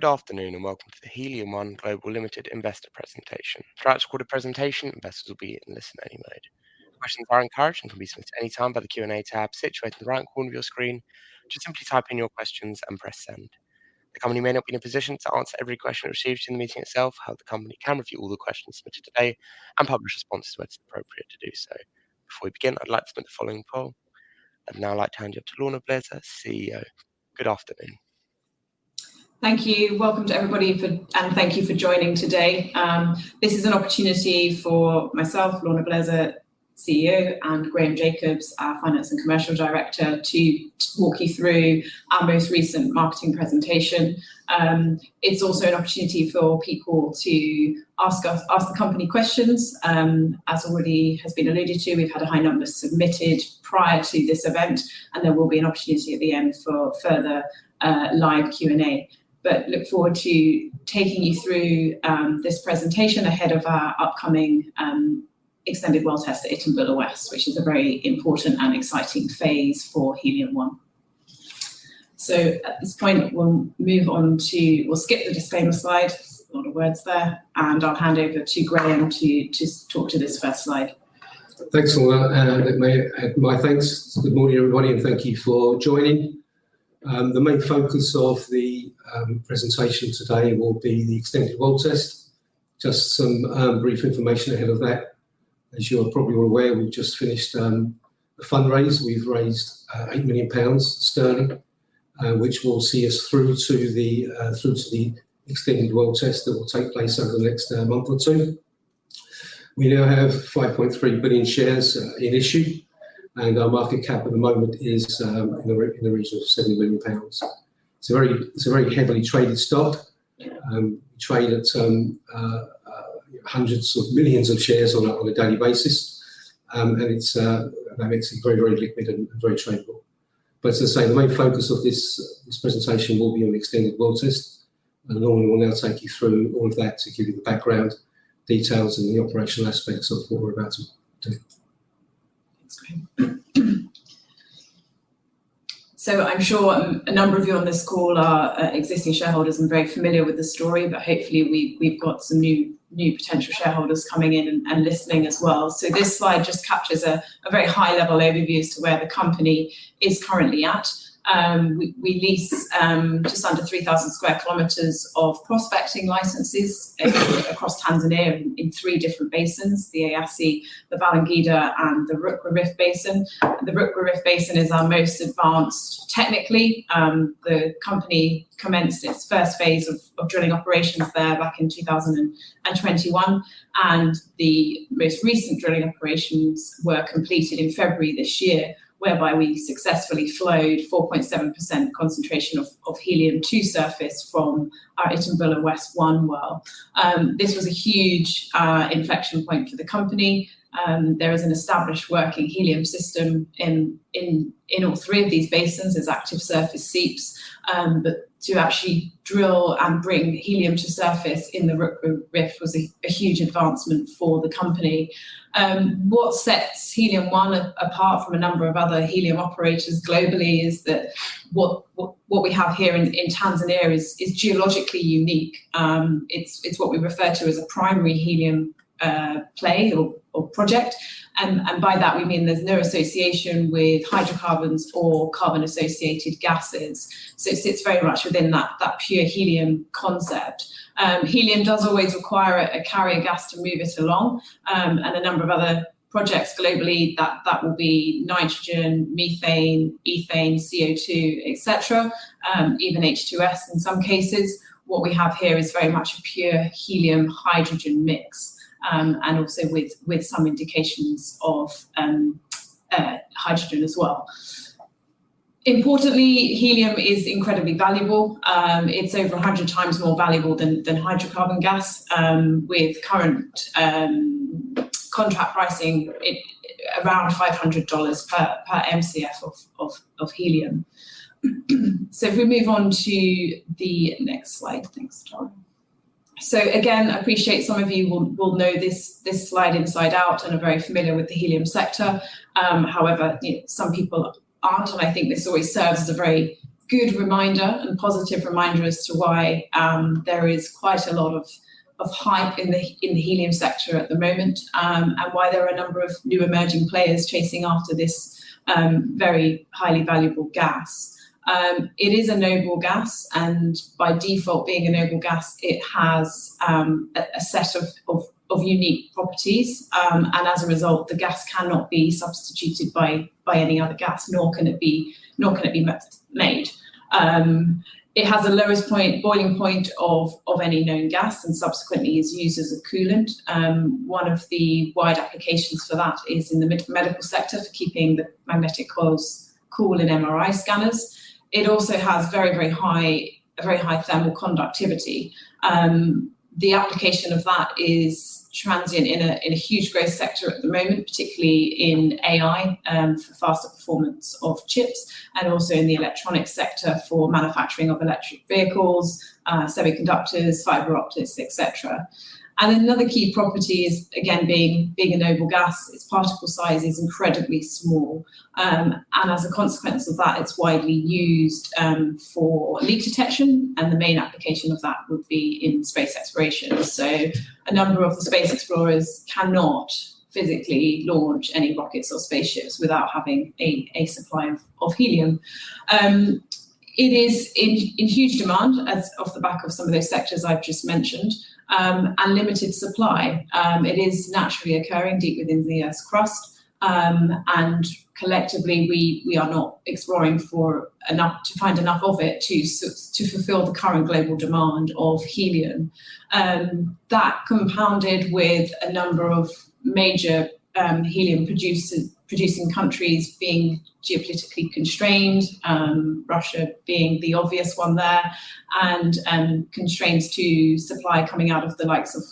Good afternoon, and welcome to the Helium One Global Ltd investor presentation. Throughout the recorded presentation, investors will be in listen-only mode. Questions are encouraged and can be submitted anytime by the Q&A tab situated in the right corner of your screen. Just simply type in your questions and press send. The company may not be in a position to answer every question received in the meeting itself. However, the company can review all the questions submitted today and publish responses where it's appropriate to do so. Before we begin, I'd like to run the following poll. I'd now like to hand you to Lorna Blaisse, CEO. Good afternoon. Thank you. Welcome to everybody, and thank you for joining today. This is an opportunity for myself, Lorna Blaisse, CEO, and Graham Jacobs, our Finance and Commercial Director, to walk you through our most recent marketing presentation. It's also an opportunity for people to ask the company questions. As already has been alluded to, we've had a high number submitted prior to this event, and there will be an opportunity at the end for further live Q&A. Look forward to taking you through this presentation ahead of our upcoming extended well test at Itumbula West, which is a very important and exciting phase for Helium One. At this point, we'll skip the disclaimer slide. There's a lot of words there, and I'll hand over to Graham to talk to this first slide. Thanks, Lorna, and my thanks. Good morning, everybody, and thank you for joining. The main focus of the presentation today will be the extended well test. Just some brief information ahead of that. As you are probably aware, we've just finished a fundraise. We've raised 8 million pounds, which will see us through to the extended well test that will take place over the next month or two. We now have 5.3 billion shares in issue, and our market cap at the moment is in the region of 70 million pounds. It's a very heavily traded stock. We trade at hundreds of millions of shares on a daily basis, and that makes it very liquid and very tradable. As I say, the main focus of this presentation will be on the extended well test, and Lorna will now take you through all of that to give you the background details and the operational aspects of what we're about to do. Thanks, Graham. I'm sure a number of you on this call are existing shareholders and very familiar with the story, but hopefully, we've got some new potential shareholders coming in and listening as well. This slide just captures a very high-level overview as to where the company is currently at. We lease just under 3,000 sq km of prospecting licenses across Tanzania in three different basins, the Eyasi, the Balangida, and the Rukwa Rift Basin. The Rukwa Rift Basin is our most advanced technically. The company commenced its first phase of drilling operations there back in 2021, and the most recent drilling operations were completed in February this year, whereby we successfully flowed 4.7% concentration of helium to surface from our Itumbula West-1 well. This was a huge inflection point for the company. There is an established working helium system in all three of these basins as active surface seeps. To actually drill and bring helium to surface in the Rukwa Rift was a huge advancement for the company. What sets Helium One apart from a number of other helium operators globally is that what we have here in Tanzania is geologically unique. It's what we refer to as a primary helium play or project, and by that, we mean there's no association with hydrocarbons or carbon-associated gases. It sits very much within that pure helium concept. Helium does always require a carrying gas to move it along, and a number of other projects globally, that would be nitrogen, methane, ethane, CO2, et cetera, even H2S in some cases. What we have here is very much a pure helium-hydrogen mix, and also with some indications of hydrogen as well. Importantly, helium is incredibly valuable. It's over 100x more valuable than hydrocarbon gas, with current contract pricing around $500 per MCF of helium. If we move on to the next slide. Thanks, Tom. Again, I appreciate some of you will know this slide inside out and are very familiar with the helium sector. However, some people aren't, and I think this always serves as a very good reminder and positive reminder as to why there is quite a lot of hype in the helium sector at the moment, and why there are a number of new emerging players chasing after this very highly valuable gas. It is a noble gas, and by default, being a noble gas, it has a set of unique properties. As a result, the gas cannot be substituted by any other gas, nor can it be made. It has the lowest boiling point of any known gas, and subsequently is used as a coolant. One of the wide applications for that is in the medical sector for keeping the magnetic coils cool in MRI scanners. It also has a very high thermal conductivity. The application of that is trending in a huge growth sector at the moment, particularly in AI and for faster performance of chips, and also in the electronic sector for manufacturing of electric vehicles, semiconductors, fiber optics, et cetera. Another key property is, again, being a noble gas, its particle size is incredibly small. As a consequence of that, it's widely used for leak detection, and the main application of that would be in space exploration. A number of the space explorers cannot physically launch any rockets or spaceships without having a supply of helium. It is in huge demand off the back of some of those sectors I've just mentioned, and limited supply. It is naturally occurring deep within the Earth's crust, and collectively, we are not exploring to find enough of it to fulfill the current global demand of helium. That compounded with a number of major helium-producing countries being geopolitically constrained, Russia being the obvious one there, and constraints to supply coming out of the likes of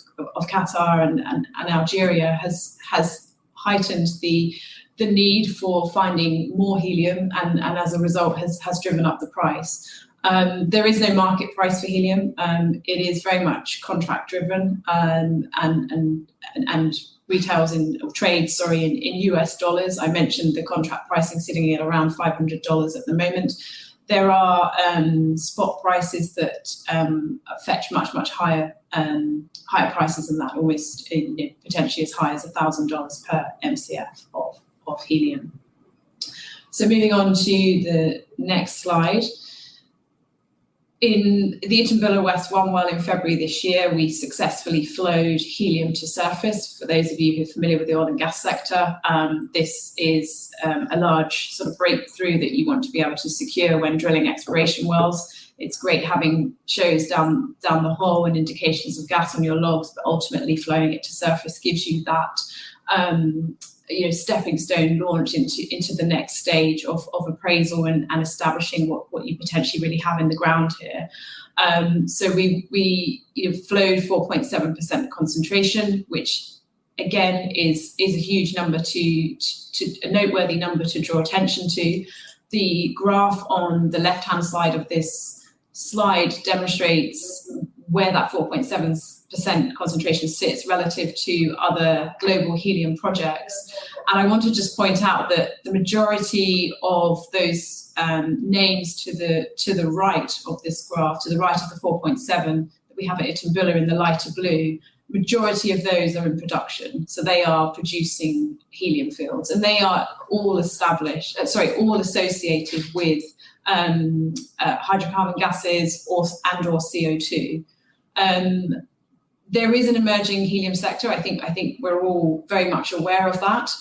Qatar and Algeria has heightened the need for finding more helium and as a result, has driven up the price. There is no market price for helium. It is very much contract-driven and trades in U.S. Dollars. I mentioned the contract pricing sitting at around $500 at the moment. There are spot prices that fetch much, much higher prices than that, always potentially as high as $1,000 per MCF of helium. Moving on to the next slide. In the Itumbula West-1 well in February this year, we successfully flowed helium to surface. For those of you who are familiar with the oil and gas sector, this is a large sort of breakthrough that you want to be able to secure when drilling exploration wells. It's great having shows down the hole and indications of gas on your logs, but ultimately flowing it to surface gives you that steppingstone launch into the next stage of appraisal and establishing what you potentially really have in the ground here. We flowed 4.7% concentration, which again, is a huge number, a noteworthy number to draw attention to. The graph on the left-hand side of this slide demonstrates where that 4.7% concentration sits relative to other global helium projects. I want to just point out that the majority of those names to the right of this graph, to the right of the 4.7, we have at Itumbula in the lighter blue, majority of those are in production. They are producing helium fields, and they are all associated with hydrocarbon gases and/or CO2. There is an emerging helium sector. I think we're all very much aware of that.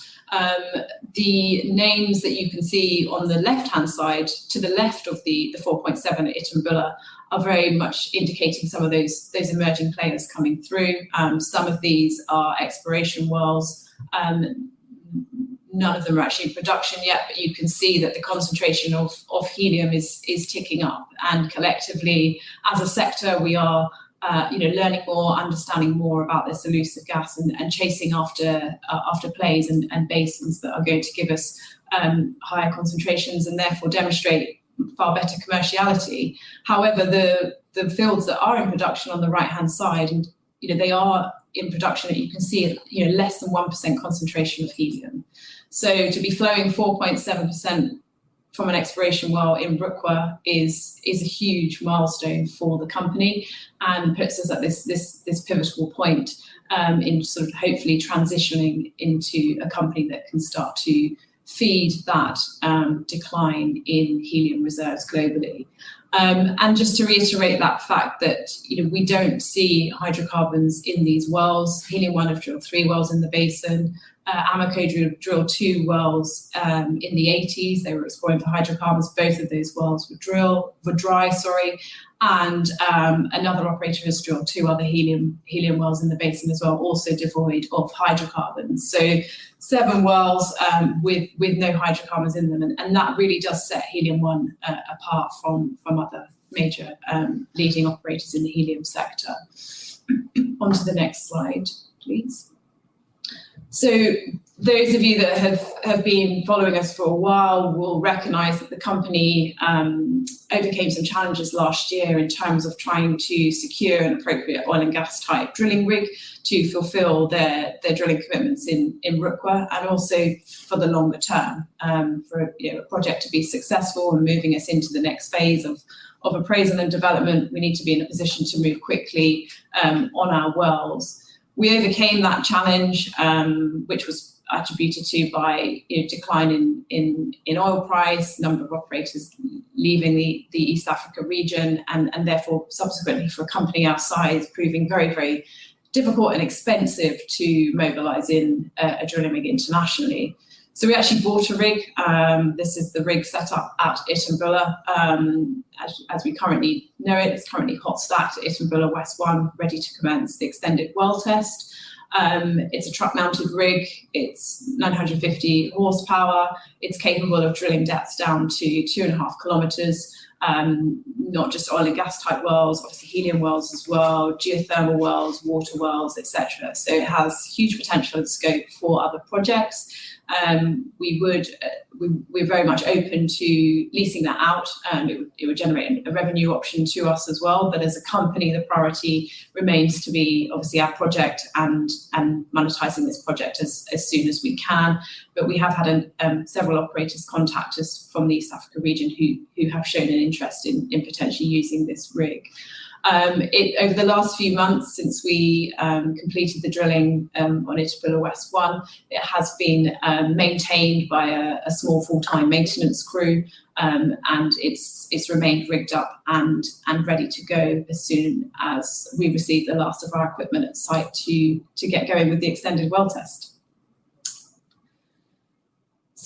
The names that you can see on the left-hand side to the left of the 4.7 at Itumbula are very much indicating some of those emerging players coming through. Some of these are exploration wells. None of them are actually in production yet, but you can see that the concentration of helium is ticking up. Collectively, as a sector, we are learning more, understanding more about this elusive gas and chasing after plays and basins that are going to give us higher concentrations and therefore demonstrate far better commerciality. However, the fields that are in production on the right-hand side, they are in production, but you can see less than 1% concentration of helium. To be flowing 4.7% from an exploration well in Rukwa is a huge milestone for the company and puts us at this pivotal point in sort of hopefully transitioning into a company that can start to feed that decline in helium reserves globally. Just to reiterate that fact that we don't see hydrocarbons in these wells. Helium One have drilled three wells in the basin. Amoco drilled two wells in the 1980s. They were exploring for hydrocarbons. Both of those wells were dry, sorry, and another operator has drilled two other helium wells in the basin as well, also devoid of hydrocarbons. Seven wells with no hydrocarbons in them, and that really does set Helium One apart from other major leading operators in the helium sector. On to the next slide, please. Those of you that have been following us for a while will recognize that the company overcame some challenges last year in terms of trying to secure an appropriate oil and gas-type drilling rig to fulfill their drilling commitments in Rukwa and also for the longer term. For a project to be successful in moving us into the next phase of appraisal and development, we need to be in a position to move quickly on our wells. We overcame that challenge, which was attributed to by a decline in oil price, number of operators leaving the East Africa region, and therefore subsequently for a company our size, proving very, very difficult and expensive to mobilize in a drilling rig internationally. We actually bought a rig. This is the rig set up at Itumbula as we currently know it. It's currently hot stacked at Itumbula West-1, ready to commence the extended well test. It's a truck-mounted rig. It's 950 hp. It's capable of drilling depths down to 2.5 km. Not just oil and gas type wells, obviously helium wells as well, geothermal wells, water wells, et cetera. It has huge potential and scope for other projects. We're very much open to leasing that out. It would generate a revenue option to us as well. As a company, the priority remains to be obviously our project and monetizing this project as soon as we can. We have had several operators contact us from the East Africa region who have shown an interest in potentially using this rig. Over the last few months since we completed the drilling on Itumbula West-1, it has been maintained by a small full-time maintenance crew, and it's remained rigged up and ready to go as soon as we receive the last of our equipment at site to get going with the extended well test.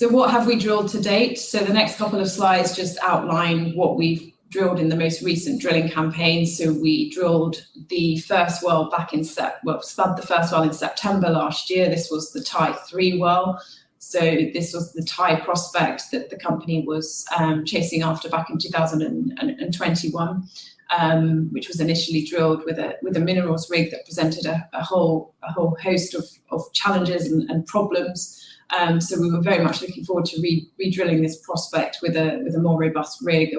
What have we drilled to date? The next couple of slides just outline what we've drilled in the most recent drilling campaign. We spud the first well in September last year. This was the Tai-3 well. This was the Tai prospect that the company was chasing after back in 2021, which was initially drilled with a minerals rig that presented a whole host of challenges and problems. We were very much looking forward to redrilling this prospect with a more robust rig,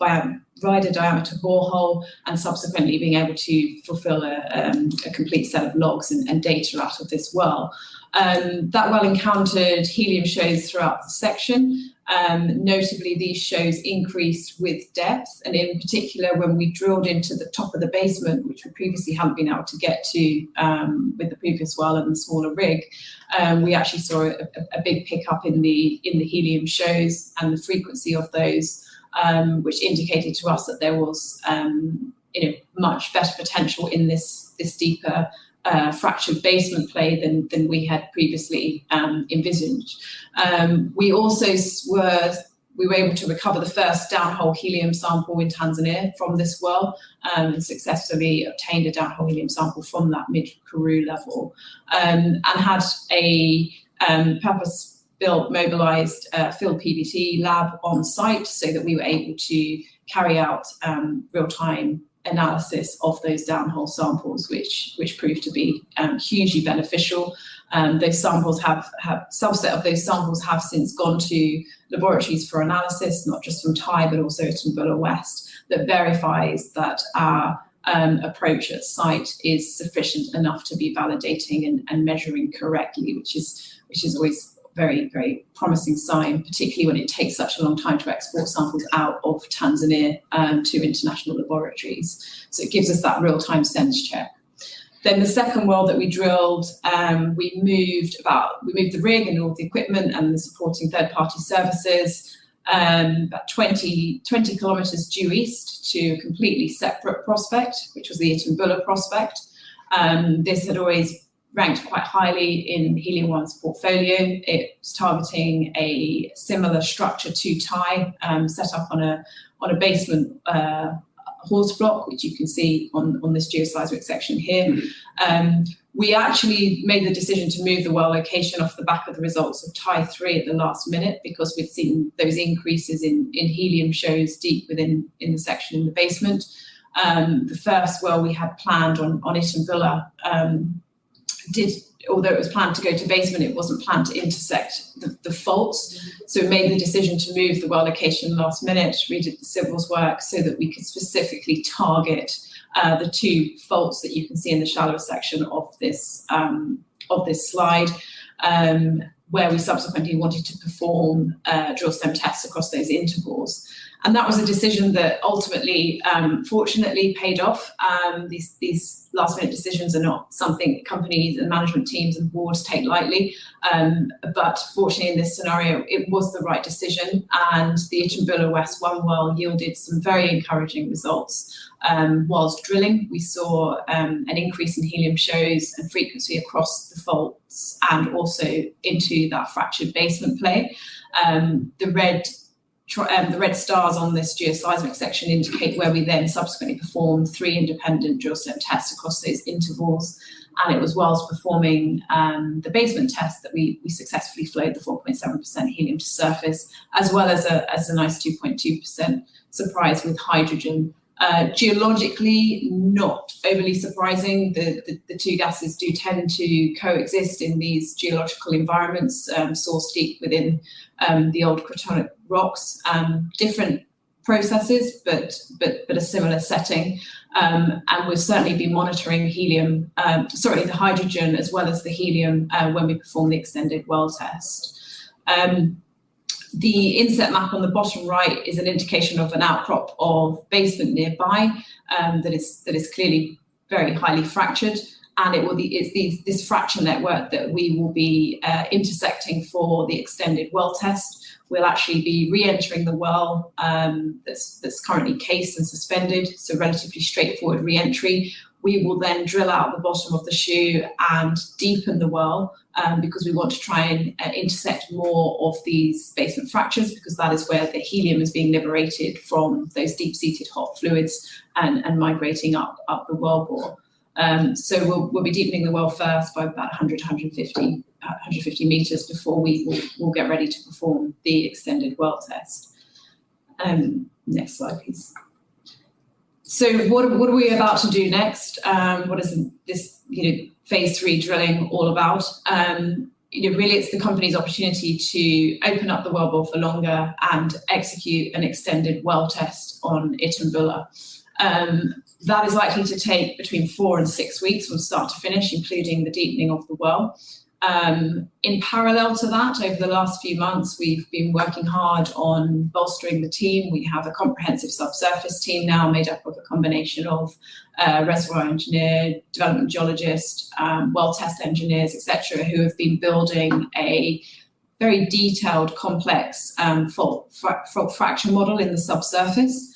a wider diameter borehole, and subsequently being able to fulfill a complete set of logs and data out of this well. That well encountered helium shows throughout the section. Notably, these shows increased with depth, and in particular, when we drilled into the top of the basement, which we previously hadn't been able to get to with the previous well and the smaller rig. We actually saw a big pickup in the helium shows and the frequency of those, which indicated to us that there was much better potential in this deeper fractured basement play than we had previously envisaged. We were able to recover the first downhole helium sample in Tanzania from this well, and successfully obtained a downhole helium sample from that mid Karoo level, and had a purpose-built, mobilized field PVT lab on-site so that we were able to carry out real-time analysis of those downhole samples, which proved to be hugely beneficial. A subset of those samples have since gone to laboratories for analysis, not just from Tai, but also from Itumbula West, that verifies that our approach at site is sufficient enough to be validating and measuring correctly, which is always a very promising sign, particularly when it takes such a long time to export samples out of Tanzania to international laboratories. It gives us that real-time sense check. The second well that we drilled, we moved the rig and all the equipment and the supporting third-party services about 20 km due east to a completely separate prospect, which was the Itumbula prospect. This had always ranked quite highly in Helium One's portfolio. It's targeting a similar structure to Tai, set up on a basement horst block, which you can see on this seismic section here. We actually made the decision to move the well location off the back of the results of Tai-3 at the last minute because we'd seen those increases in helium shows deep within the section in the basement. The first well we had planned on Itumbula, although it was planned to go to basement, it wasn't planned to intersect the faults. We made the decision to move the well location last minute. We did the civils work so that we could specifically target the two faults that you can see in the shallower section of this slide, where we subsequently wanted to perform drill stem tests across those intervals. That was a decision that ultimately, fortunately paid off. These last-minute decisions are not something companies and management teams and boards take lightly. Fortunately, in this scenario, it was the right decision, and the Itumbula West-1 well yielded some very encouraging results. While drilling, we saw an increase in helium shows and frequency across the faults and also into that fractured basement play. The red stars on this geoseismic section indicate where we then subsequently performed three independent drill stem tests across those intervals. It was while performing the basement test that we successfully flowed the 4.7% helium to surface, as well as a nice 2.2% surprise with hydrogen. Geologically, not overly surprising. The two gases do tend to coexist in these geological environments sourced deep within the old cratonic rocks. Different processes, but a similar setting. We'll certainly be monitoring the helium, sorry, the hydrogen as well as the helium, when we perform the extended well test. The insert map on the bottom right is an indication of an outcrop of basement nearby, that is clearly very highly fractured, and it's this fracture network that we will be intersecting for the extended well test. We'll actually be reentering the well that's currently cased and suspended, so relatively straightforward re-entry. We will then drill out the bottom of the shoe and deepen the well, because we want to try and intersect more of these basement fractures, because that is where the helium is being liberated from those deep-seated hot fluids and migrating up the wellbore. We'll be deepening the well first by about 100 m-150 m before we'll get ready to perform the extended well test. Next slide, please. What are we about to do next? What is this phase three drilling all about? Really, it's the company's opportunity to open up the wellbore for longer and execute an extended well test on Itumbula. That is likely to take between four and six weeks from start to finish, including the deepening of the well. In parallel to that, over the last few months, we've been working hard on bolstering the team. We have a comprehensive subsurface team now made up of a combination of reservoir engineer, development geologist, well test engineers, et cetera, who have been building a very detailed, complex fault fracture model in the subsurface.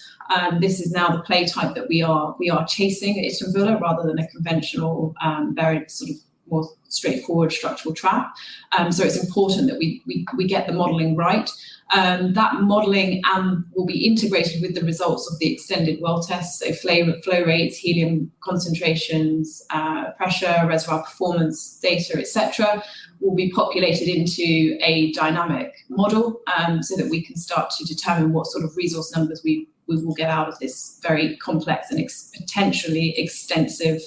This is now the play type that we are chasing at Itumbula rather than a conventional, very sort of more straightforward structural trap. It's important that we get the modeling right. That modeling will be integrated with the results of the extended well test. Flow rates, helium concentrations, pressure, reservoir performance data, et cetera, will be populated into a dynamic model so that we can start to determine what sort of resource numbers we will get out of this very complex and potentially extensive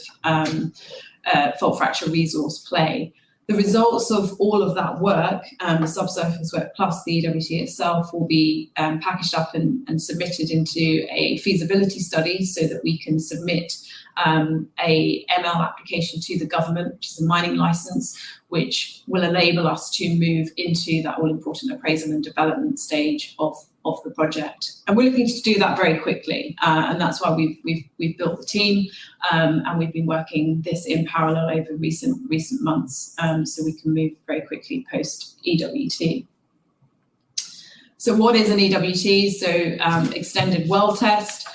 fault fracture resource play. The results of all of that work, the subsurface work, plus the EWT itself, will be packaged up and submitted into a feasibility study so that we can submit a ML application to the government, which is a mining license, which will enable us to move into that all-important appraisal and development stage of the project. We're looking to do that very quickly, and that's why we've built the team, and we've been working this in parallel over recent months, so we can move very quickly post-EWT. What is an EWT? Extended well test.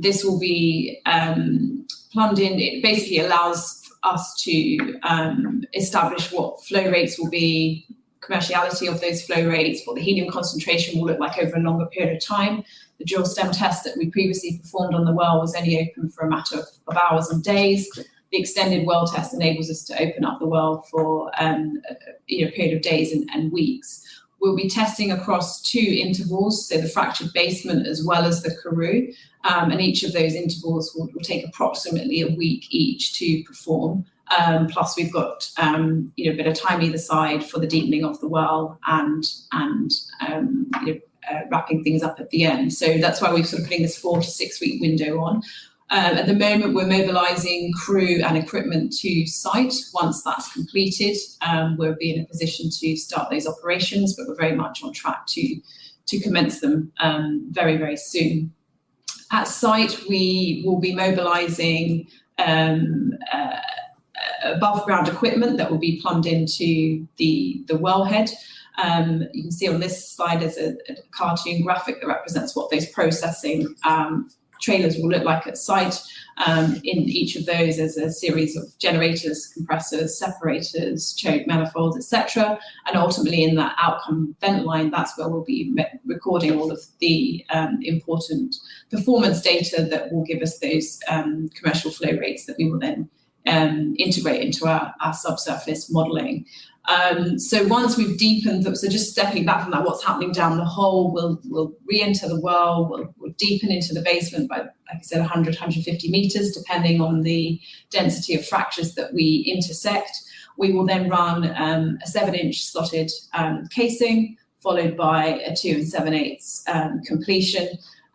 This will be plumbed in. It basically allows us to establish what flow rates will be, commerciality of those flow rates, what the helium concentration will look like over a longer period of time. The drill stem test that we previously performed on the well was only open for a matter of hours and days. The extended well test enables us to open up the well for a period of days and weeks. We'll be testing across two intervals, so the fractured basement as well as the Karoo, and each of those intervals will take approximately a week each to perform. Plus we've got a bit of time either side for the deepening of the well and wrapping things up at the end. That's why we're sort of putting this four-six-week window on. At the moment, we're mobilizing crew and equipment to site. Once that's completed, we'll be in a position to start those operations, but we're very much on track to commence them very soon. At site, we will be mobilizing above-ground equipment that will be plumbed into the wellhead. You can see on this slide is a cartoon graphic that represents what those processing trailers will look like at site. In each of those, there's a series of generators, compressors, separators, choke manifolds, et cetera. Ultimately in that outcome vent line, that's where we'll be recording all of the important performance data that will give us those commercial flow rates that we will then integrate into our subsurface modeling. Just stepping back from that, what's happening down the hole, we'll reenter the well, we'll deepen into the basement by, like I said, 100 m,150 m, depending on the density of fractures that we intersect. We will then run a 7-inch slotted casing, followed by a two and 7/8 completion,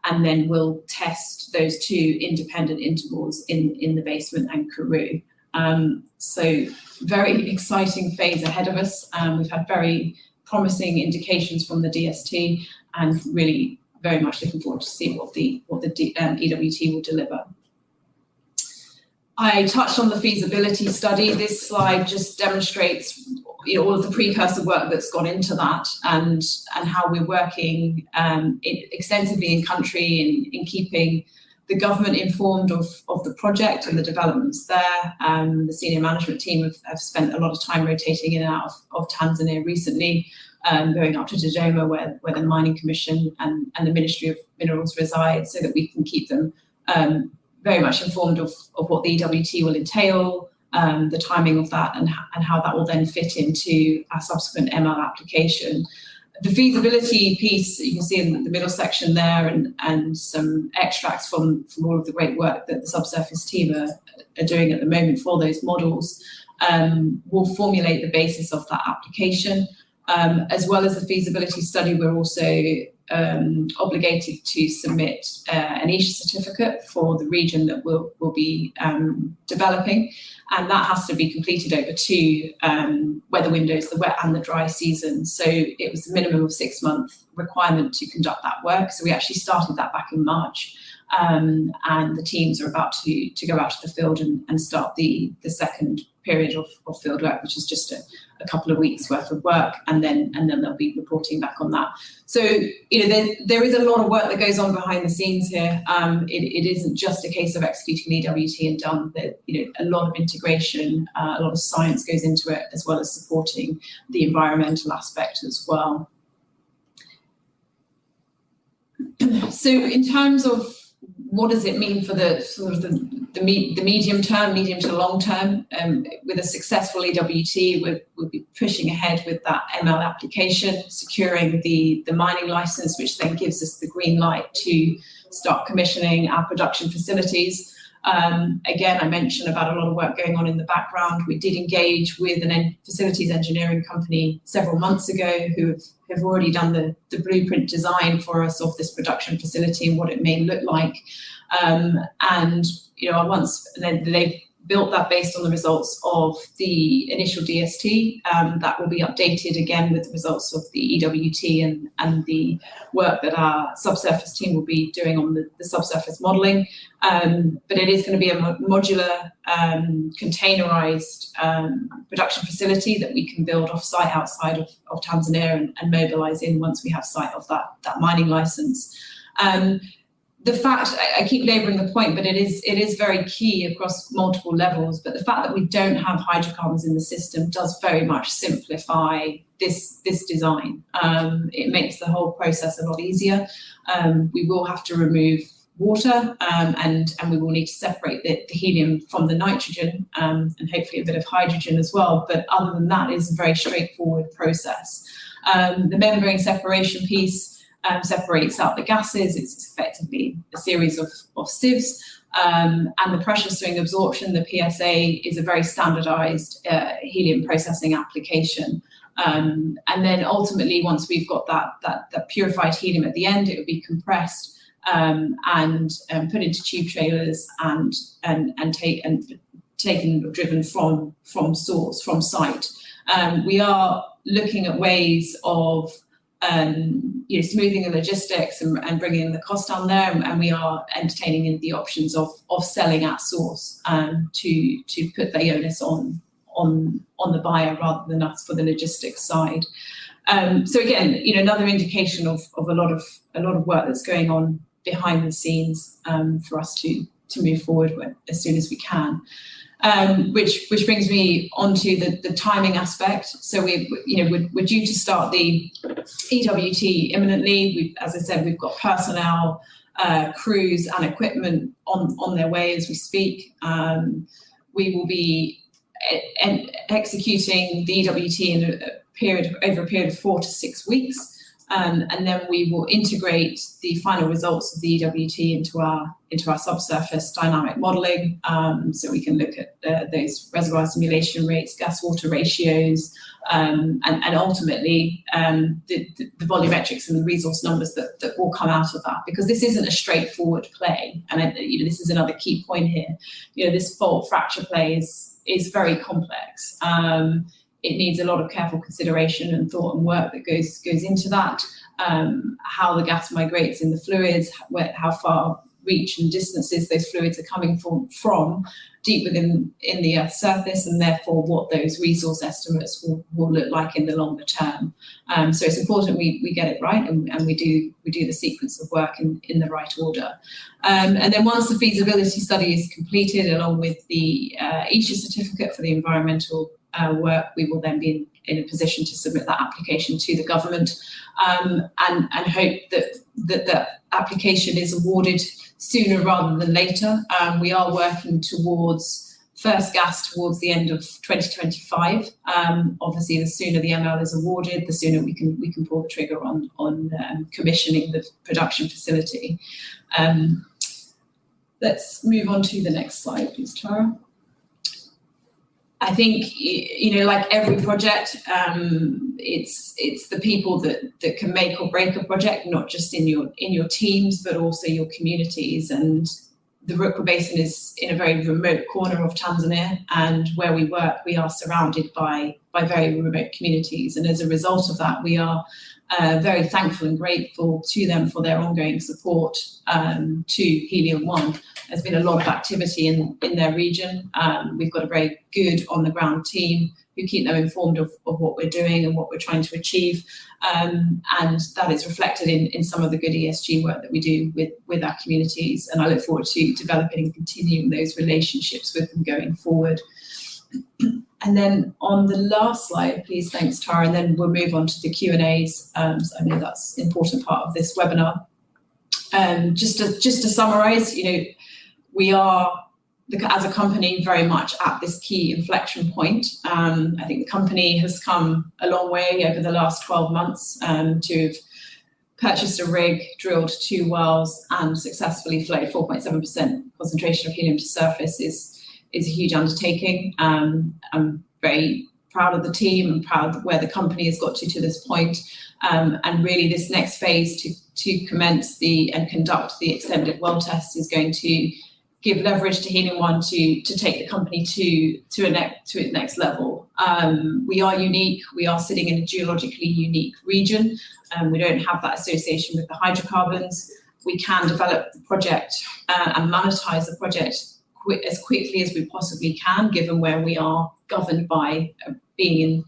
and then we'll test those two independent intervals in the basement and Karoo. Very exciting phase ahead of us, and we've had very promising indications from the DST and really very much looking forward to seeing what the EWT will deliver. I touched on the feasibility study. This slide just demonstrates all of the precursor work that's gone into that and how we're working extensively in-country and in keeping the government informed of the project and the developments there. The senior management team have spent a lot of time rotating in and out of Tanzania recently, going up to Dodoma, where the Mining Commission and the Ministry of Minerals reside, so that we can keep them very much informed of what the EWT will entail, the timing of that, and how that will then fit into our subsequent ML application. The feasibility piece that you can see in the middle section there and some extracts from all of the great work that the subsurface team are doing at the moment for those models, will formulate the basis of that application. As well as the feasibility study, we're also obligated to submit an ESIA certificate for the region that we'll be developing, and that has to be completed over two weather windows, the wet and the dry season. It was a minimum of six-month requirement to conduct that work. We actually started that back in March, and the teams are about to go out to the field and start the second period of field work, which is just a couple of weeks' worth of work, and then they'll be reporting back on that. There is a lot of work that goes on behind the scenes here. It isn't just a case of executing EWT and done. A lot of integration, a lot of science goes into it, as well as supporting the environmental aspect as well. In terms of what does it mean for the sort of the medium term, medium to long term, with a successful EWT, we'll be pushing ahead with that ML application, securing the mining license which then gives us the green light to start commissioning our production facilities. Again, I mentioned about a lot of work going on in the background. We did engage with a facilities engineering company several months ago who have already done the blueprint design for us of this production facility and what it may look like. They've built that based on the results of the initial DST. That will be updated again with the results of the EWT and the work that our subsurface team will be doing on the subsurface modeling. It is going to be a modular, containerized production facility that we can build off-site outside of Tanzania and mobilize in once we have sight of that mining license. I keep laboring the point, but it is very key across multiple levels, but the fact that we don't have hydrocarbons in the system does very much simplify this design. It makes the whole process a lot easier. We will have to remove water, and we will need to separate the helium from the nitrogen, and hopefully a bit of hydrogen as well. Other than that, it's a very straightforward process. The membrane separation piece separates out the gases. It's effectively a series of sieves. The pressure swing adsorption, the PSA, is a very standardized helium processing application. Ultimately, once we've got that purified helium at the end, it will be compressed and put into tube trailers and driven from source, from site. We are looking at ways of smoothing the logistics and bringing the cost down there, and we are entertaining the options of selling at source to put the onus on the buyer rather than us for the logistics side. Again, another indication of a lot of work that's going on behind the scenes for us to move forward with as soon as we can. Which brings me onto the timing aspect. We're due to start the EWT imminently. As I said, we've got personnel, crews, and equipment on their way as we speak. We will be executing the EWT over a period of four-six weeks, and then we will integrate the final results of the EWT into our subsurface dynamic modeling, so we can look at those reservoir simulation rates, gas water ratios, and ultimately, the volumetrics and the resource numbers that will come out of that. Because this isn't a straightforward play, and this is another key point here. This fault fracture play is very complex. It needs a lot of careful consideration and thought and work that goes into that. How the gas migrates in the fluids, how far reach and distances those fluids are coming from deep within the Earth's surface, and therefore what those resource estimates will look like in the longer term. It's important we get it right and we do the sequence of work in the right order. Then once the feasibility study is completed, along with the EIA certificate for the environmental work, we will then be in a position to submit that application to the government and hope that that application is awarded sooner rather than later. We are working towards first gas towards the end of 2025. Obviously, the sooner the ML is awarded, the sooner we can pull the trigger on commissioning the production facility. Let's move on to the next slide, please, Tara. I think, like every project, it's the people that can make or break a project, not just in your teams, but also your communities. The Rukwa Basin is in a very remote corner of Tanzania, and where we work, we are surrounded by very remote communities. As a result of that, we are very thankful and grateful to them for their ongoing support to Helium One. There's been a lot of activity in their region. We've got a very good on-the-ground team who keep them informed of what we're doing and what we're trying to achieve. That is reflected in some of the good ESG work that we do with our communities, and I look forward to developing and continuing those relationships with them going forward. Then on the last slide, please. Thanks, Tara. Then we'll move on to the Q&As. I know that's an important part of this webinar. Just to summarize, we are, as a company, very much at this key inflection point. I think the company has come a long way over the last 12 months. To have purchased a rig, drilled two wells, and successfully flowed 4.7% concentration of helium to surface is a huge undertaking. I'm very proud of the team and proud of where the company has got to this point. Really this next phase to commence and conduct the extended well test is going to give leverage to Helium One to take the company to its next level. We are unique. We are sitting in a geologically unique region. We don't have that association with the hydrocarbons. We can develop the project and monetize the project as quickly as we possibly can, given where we are governed by being in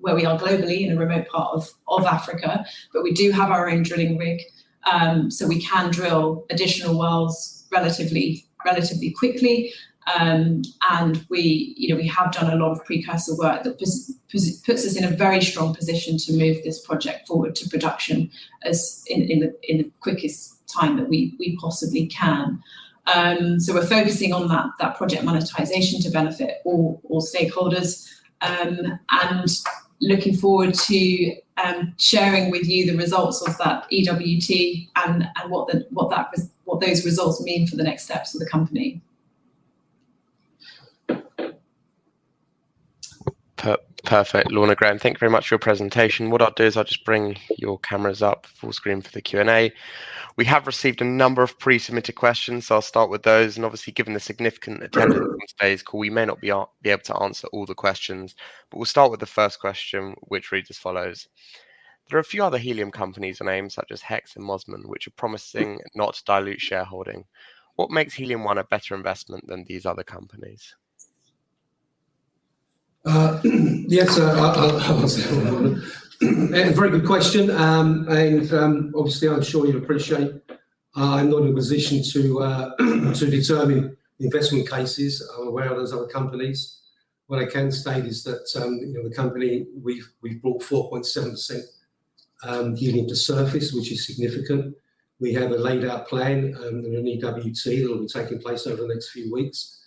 where we are globally in a remote part of Africa. We do have our own drilling rig, so we can drill additional wells relatively quickly. We have done a lot of precursor work that puts us in a very strong position to move this project forward to production in the quickest time that we possibly can. We're focusing on that project monetization to benefit all stakeholders, and looking forward to sharing with you the results of that EWT and what those results mean for the next steps of the company. Perfect. Lorna, Graham, thank you very much for your presentation. What I'll do is I'll just bring your cameras up full screen for the Q&A. We have received a number of pre-submitted questions, so I'll start with those. Obviously, given the significant attendance on today's call, we may not be able to answer all the questions. We'll start with the first question, which reads as follows: There are a few other helium companies and names such as Helix and Mosman, which are promising not to dilute shareholding. What makes Helium One a better investment than these other companies? Yes. I'll answer that one. A very good question. Obviously, I'm sure you appreciate I'm not in a position to determine investment cases or where are those other companies. What I can state is that the company, we've brought 4.7% helium to surface, which is significant. We have a laid out plan, an EWT that will be taking place over the next few weeks,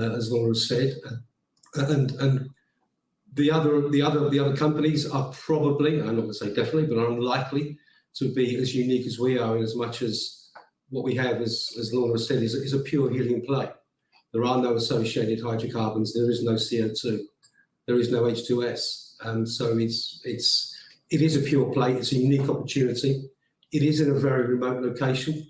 as Lorna said. The other companies are probably, I'm not going to say definitely, but are unlikely to be as unique as we are in as much as what we have, as Lorna said, is a pure helium play. There are no associated hydrocarbons. There is no CO2. There is no H2S. It is a pure play. It's a unique opportunity. It is in a very remote location.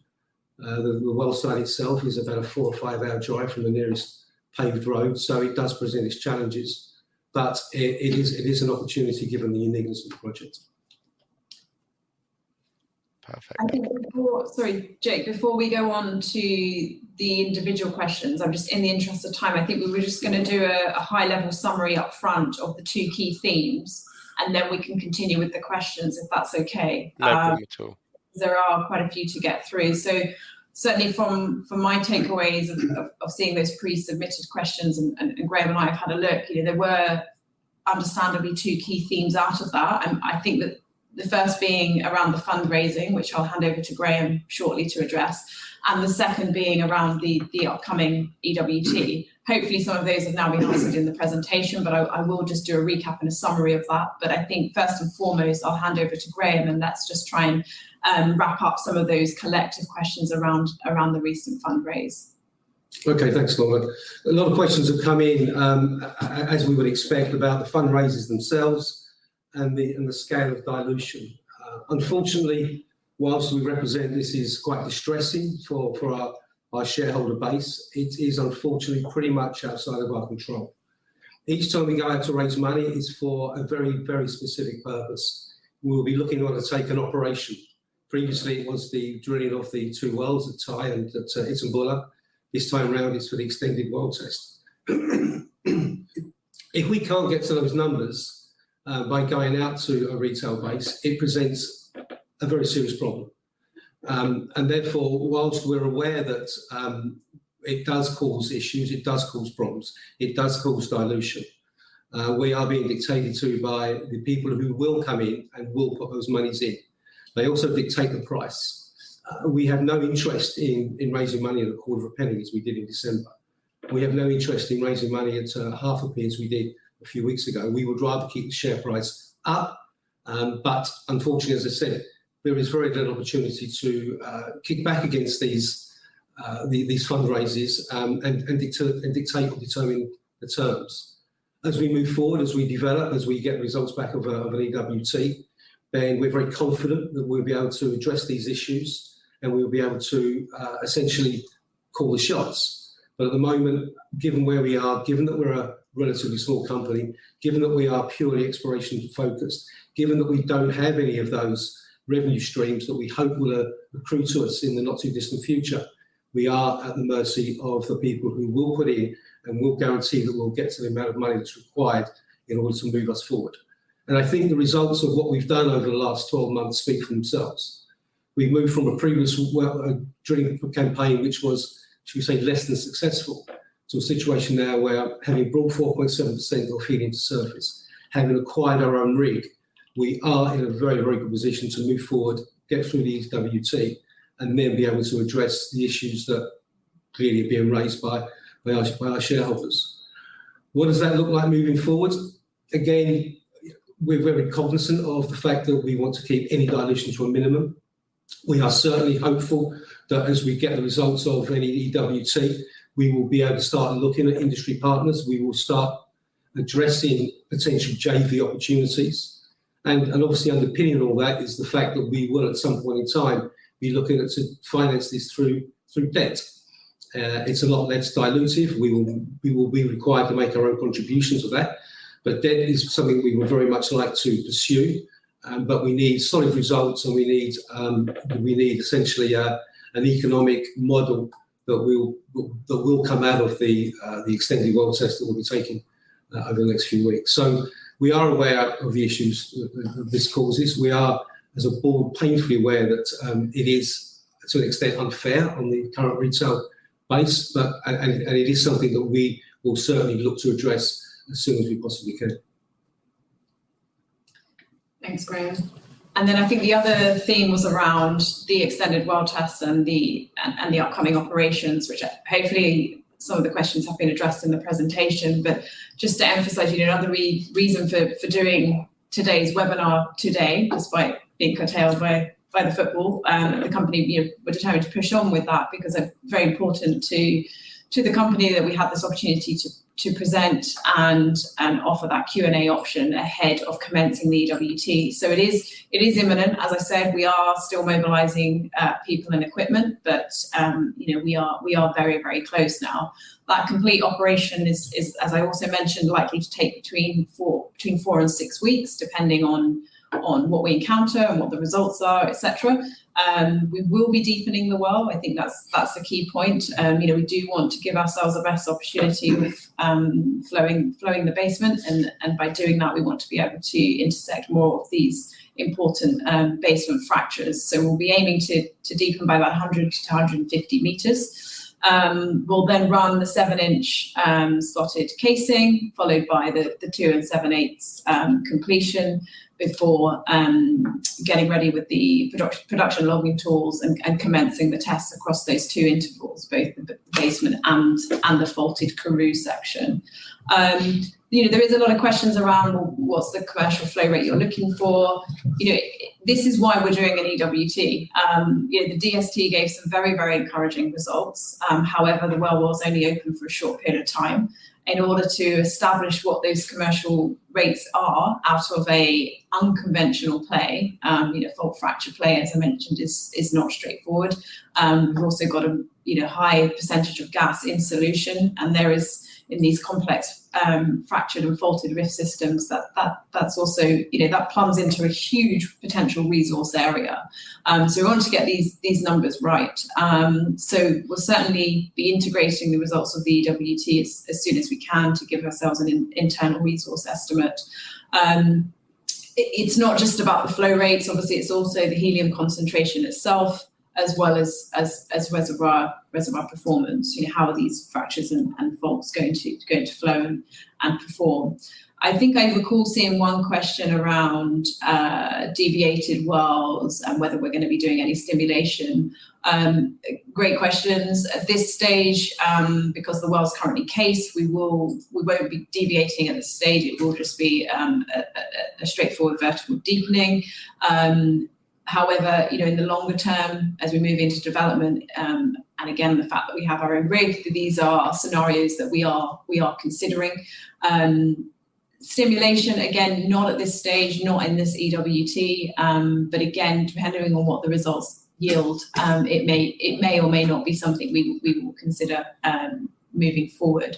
The well site itself is about a four- or five-hour drive from the nearest paved road, so it does present its challenges. It is an opportunity given the uniqueness of the project. Perfect. Sorry, Jake. Before we go on to the individual questions, I'm just in the interest of time, I think we were just going to do a high-level summary up front of the two key themes, and then we can continue with the questions, if that's okay. No problem at all. There are quite a few to get through. Certainly from my takeaways of seeing those pre-submitted questions, and Graham and I have had a look, there were understandably two key themes out of that. I think that the first being around the fundraising, which I'll hand over to Graham shortly to address. The second being around the upcoming EWT. Hopefully, some of those have now been answered in the presentation, but I will just do a recap and a summary of that. I think first and foremost, I'll hand over to Graham, and let's just try and wrap up some of those collective questions around the recent fundraise. Okay. Thanks, Lorna. A lot of questions have come in, as we would expect, about the fundraises themselves and the scale of dilution. Unfortunately, while we regret this is quite distressing for our shareholder base, it is unfortunately pretty much outside of our control. Each time we go out to raise money, it's for a very specific purpose. We will be looking rather to take an operation. Previously, it was the drilling of the two wells at Tai and at Itumbula. This time around, it's for the extended well test. If we can't get to those numbers by going out to a retail base, it presents a very serious problem. Therefore, while we're aware that it does cause issues, it does cause problems, it does cause dilution. We are being dictated to by the people who will come in and will put those monies in. They also dictate the price. We have no interest in raising money at a quarter of a penny as we did in December. We have no interest in raising money at half a penny as we did a few weeks ago. We would rather keep the share price up. Unfortunately, as I said, there is very little opportunity to kick back against these fundraises and dictate or determine the terms. As we move forward, as we develop, as we get results back of our EWT, then we're very confident that we'll be able to address these issues and we'll be able to essentially call the shots. At the moment, given where we are, given that we're a relatively small company, given that we are purely exploration focused, given that we don't have any of those revenue streams that we hope will accrue to us in the not too distant future. We are at the mercy of the people who will put in and will guarantee that we'll get to the amount of money that's required in order to move us forward. I think the results of what we've done over the last 12 months speak for themselves. We've moved from a previous drilling campaign, which was, shall we say, less than successful, to a situation now where having brought 4.7% of helium to surface, having acquired our own rig. We are in a very good position to move forward, get through the EWT, and then be able to address the issues that clearly are being raised by our shareholders. What does that look like moving forward? Again, we're very cognizant of the fact that we want to keep any dilution to a minimum. We are certainly hopeful that as we get the results of any EWT, we will be able to start looking at industry partners. We will start addressing potential JV opportunities. Obviously underpinning all that is the fact that we will, at some point in time, be looking to finance this through debt. It's a lot less dilutive. We will be required to make our own contributions with that, but debt is something we would very much like to pursue. We need solid results and we need essentially an economic model that will come out of the extended well test that we'll be taking over the next few weeks. We are aware of the issues that this causes. We are, as a board, painfully aware that it is to an extent unfair on the current retail base, and it is something that we will certainly look to address as soon as we possibly can. Thanks, Graham. I think the other theme was around the extended well tests and the upcoming operations, which hopefully some of the questions have been addressed in the presentation. Just to emphasize, another reason for doing today's webinar today, despite being curtailed by the football. The company, we're determined to push on with that, because it's very important to the company that we have this opportunity to present and offer that Q&A option ahead of commencing the EWT. It is imminent. As I said, we are still mobilizing people and equipment, but we are very close now. That complete operation is, as I also mentioned, likely to take between four and six weeks, depending on what we encounter and what the results are, et cetera. We will be deepening the well. I think that's the key point. We do want to give ourselves the best opportunity with flowing the basement, and by doing that, we want to be able to intersect more of these important basement fractures. We'll be aiming to deepen by about 100 m-250 m. We'll then run the 7-inch slotted casing, followed by the 2 7/8-inch completion before getting ready with the production logging tools and commencing the tests across those two intervals, both the basement and the faulted Karoo section. There is a lot of questions around what's the commercial flow rate you're looking for. This is why we're doing an EWT. The DST gave some very encouraging results. However, the well was only open for a short period of time. In order to establish what those commercial rates are out of a unconventional play, fault fracture play, as I mentioned, is not straightforward. We've also got a high percentage of gas in solution, and there is, in these complex fractured and faulted rift systems, that's also plugs into a huge potential resource area. We want to get these numbers right. We'll certainly be integrating the results of the EWT as soon as we can to give ourselves an internal resource estimate. It's not just about the flow rates, obviously. It's also the helium concentration itself as well as reservoir performance. How are these fractures and faults going to flow and perform? I think I recall seeing one question around deviated wells and whether we're going to be doing any stimulation. Great questions. At this stage, because the well's currently cased, we won't be deviating at this stage. It will just be a straightforward vertical deepening. However, in the longer term, as we move into development, and again, the fact that we have our own rig, these are scenarios that we are considering. Stimulation, again, not at this stage, not in this EWT. But again, depending on what the results yield, it may or may not be something we will consider moving forward.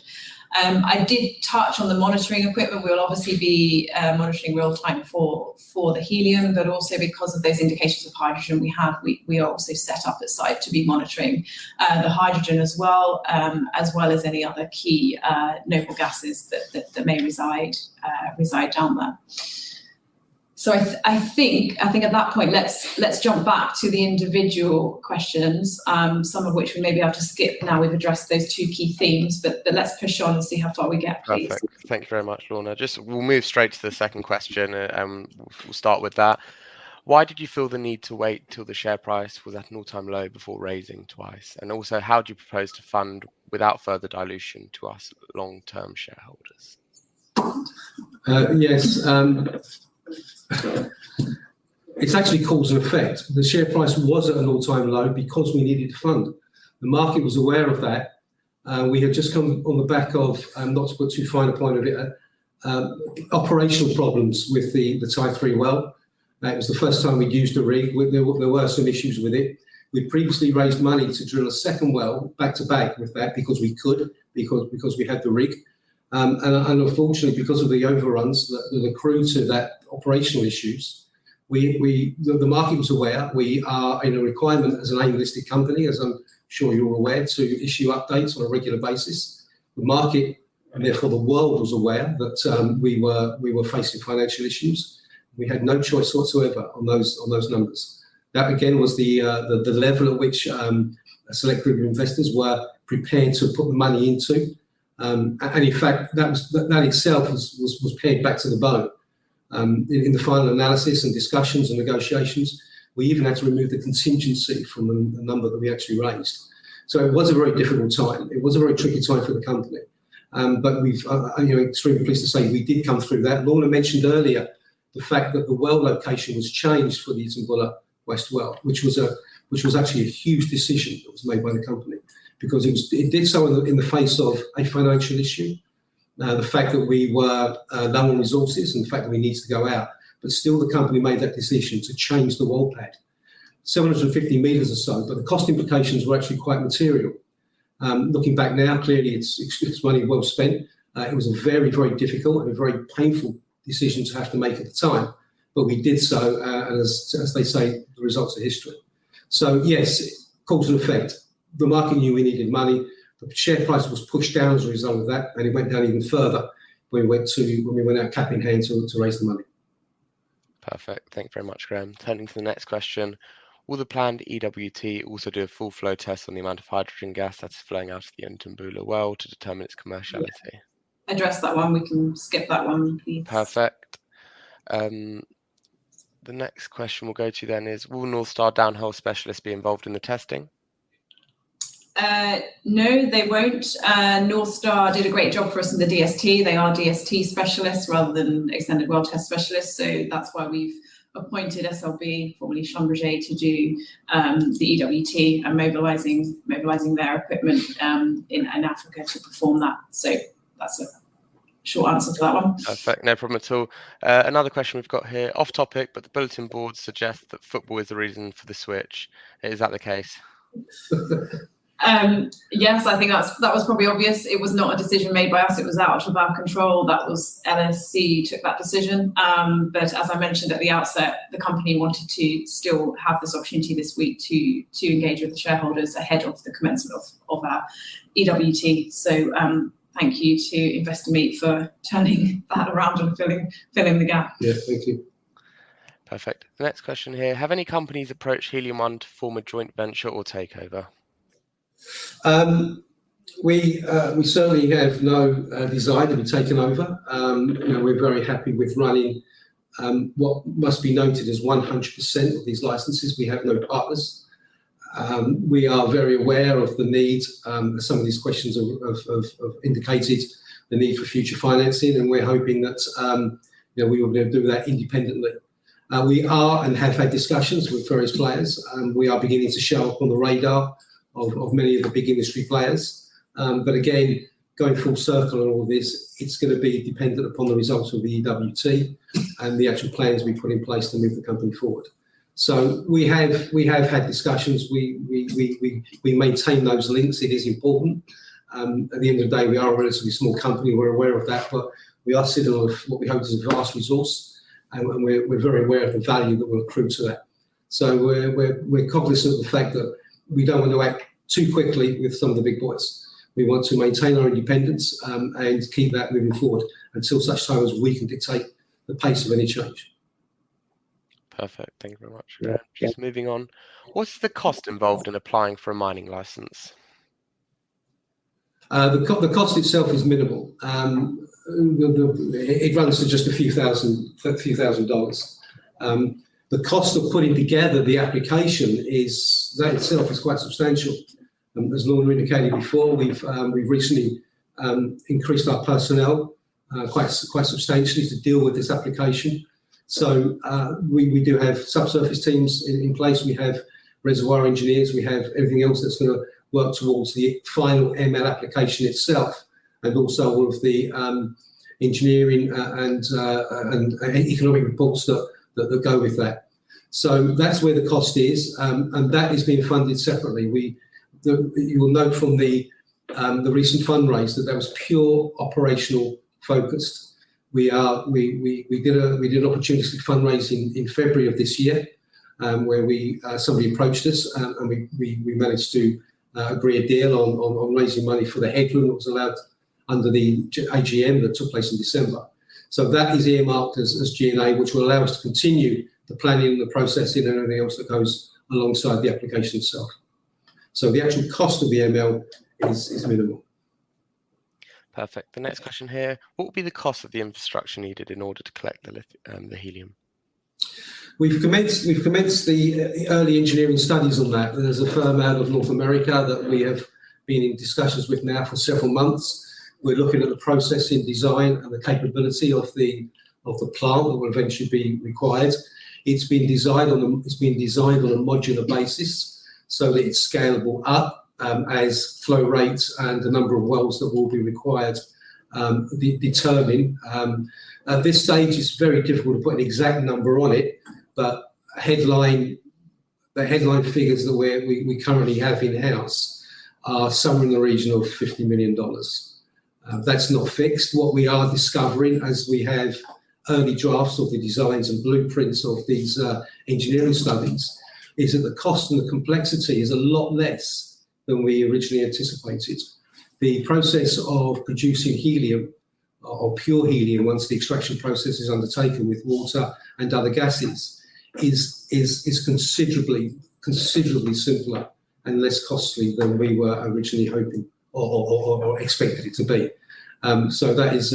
I did touch on the monitoring equipment. We will obviously be monitoring real time for the helium. But also because of those indications of hydrogen we have, we are also set up at site to be monitoring the hydrogen as well, as well as any other key noble gases that may reside down there. I think at that point, let's jump back to the individual questions. Some of which we may be able to skip now we've addressed those two key themes. Let's push on and see how far we get, please. Perfect. Thank you very much, Lorna. We'll move straight to the second question. We'll start with that. Why did you feel the need to wait till the share price was at an all-time low before raising twice? And also how do you propose to fund without further dilution to us long-term shareholders? Yes. It's actually cause and effect. The share price was at an all-time low because we needed to fund. The market was aware of that. We had just come on the back of, not to put too fine a point on it, operational problems with the Tai-3 well. That was the first time we'd used a rig. There were some issues with it. We'd previously raised money to drill a second well back to back with that because we could, because we had the rig. Unfortunately, because of the overruns that accrued to that operational issues, the market was aware. We are in a requirement as an AIM-listed company, as I'm sure you're aware, to issue updates on a regular basis. The market, and therefore the world, was aware that we were facing financial issues. We had no choice whatsoever on those numbers. That, again, was the level at which a select group of investors were prepared to put the money into. In fact, that itself was paid back to the box. In the final analysis and discussions and negotiations, we even had to remove the contingency from the number that we actually raised. It was a very difficult time. It was a very tricky time for the company. I'm extremely pleased to say we did come through that. Lorna mentioned earlier the fact that the well location was changed for the Itumbula West well, which was actually a huge decision that was made by the company. Because it did so in the face of a financial issue. Now, the fact that we were low on resources and the fact that we needed to go out, but still the company made that decision to change the well pad. 750 meters or so, but the cost implications were actually quite material. Looking back now, clearly it's money well spent. It was a very difficult and a very painful decision to have to make at the time, but we did so, and as they say, the results are history. Yes, cause and effect. The market knew we needed money. The share price was pushed down as a result of that, and it went down even further when we went out cap in hand to raise the money. Perfect. Thank you very much, Graham. Turning to the next question. Will the planned EWT also do a full flow test on the amount of hydrogen gas that's flowing out of the Itumbula well to determine its commerciality? Addressed that one. We can skip that one, please. Perfect. The next question we'll go to is, will Northstar Downhole Specialists be involved in the testing? No, they won't. Northstar did a great job for us in the DST. They are DST specialists rather than extended well test specialists. That's why we've appointed SLB, formerly Schlumberger, to do the EWT and mobilizing their equipment in Africa to perform that. That's the short answer to that one. Perfect. No problem at all. Another question we've got here. Off topic, but the bulletin board suggests that football is the reason for the switch. Is that the case? Yes, I think that was probably obvious. It was not a decision made by us. It was out of our control. That was LSE took that decision. As I mentioned at the outset, the company wanted to still have this opportunity this week to engage with the shareholders ahead of the commencement of our EWT. Thank you to Investor Meet for turning that around and filling the gap. Yes. Thank you. Perfect. The next question here. Have any companies approached Helium One to form a joint venture or takeover? We certainly have no desire to be taken over. We're very happy with running what must be noted as 100% of these licenses. We have no partners. We are very aware of the need, as some of these questions have indicated, the need for future financing, and we're hoping that we will be able to do that independently. We are, and have had discussions with various players, and we are beginning to show up on the radar of many of the big industry players. Again, going full circle on all this, it's going to be dependent upon the results of the EWT and the actual plans we put in place to move the company forward. We have had discussions. We maintain those links. It is important. At the end of the day, we are a relatively small company. We're aware of that, but we are sitting on what we hope is a vast resource, and we're very aware of the value that will accrue to that. We're cognizant of the fact that we don't want to act too quickly with some of the big boys. We want to maintain our independence, and keep that moving forward until such time as we can dictate the pace of any change. Perfect. Thank you very much. Yeah. Just moving on. What's the cost involved in applying for a mining license? The cost itself is minimal. It runs to just a few thousand dollars. The cost of putting together the application is, that itself is quite substantial. As Lorna indicated before, we've recently increased our personnel quite substantially to deal with this application. We do have subsurface teams in place. We have reservoir engineers. We have everything else that's going to work towards the final ML application itself, and also all of the engineering, and economic report stuff that will go with that. That's where the cost is, and that is being funded separately. You will note from the recent fundraise that that was pure operational focused. We did an opportunistic fundraising in February of this year, where somebody approached us, and we managed to agree a deal on raising money for the headroom that was allowed under the AGM that took place in December. That is earmarked as G&A, which will allow us to continue the planning, the processing, and everything else that goes alongside the application itself. The actual cost of the ML is minimal. Perfect. The next question here. What would be the cost of the infrastructure needed in order to collect the helium? We've commenced the early engineering studies on that. There's a firm out of North America that we have been in discussions with now for several months. We're looking at the processing design and the capability of the plant that will eventually be required. It's been designed on a modular basis, so that it's scalable up as flow rates and the number of wells that will be required determine. At this stage, it's very difficult to put an exact number on it, but the headline figures that we currently have in-house are somewhere in the region of $50 million. That's not fixed. What we are discovering as we have early drafts of the designs and blueprints of these engineering studies is that the cost and the complexity is a lot less than we originally anticipated. The process of producing helium or pure helium, once the extraction process is undertaken with water and other gases is considerably simpler and less costly than we were originally hoping or expected it to be. That is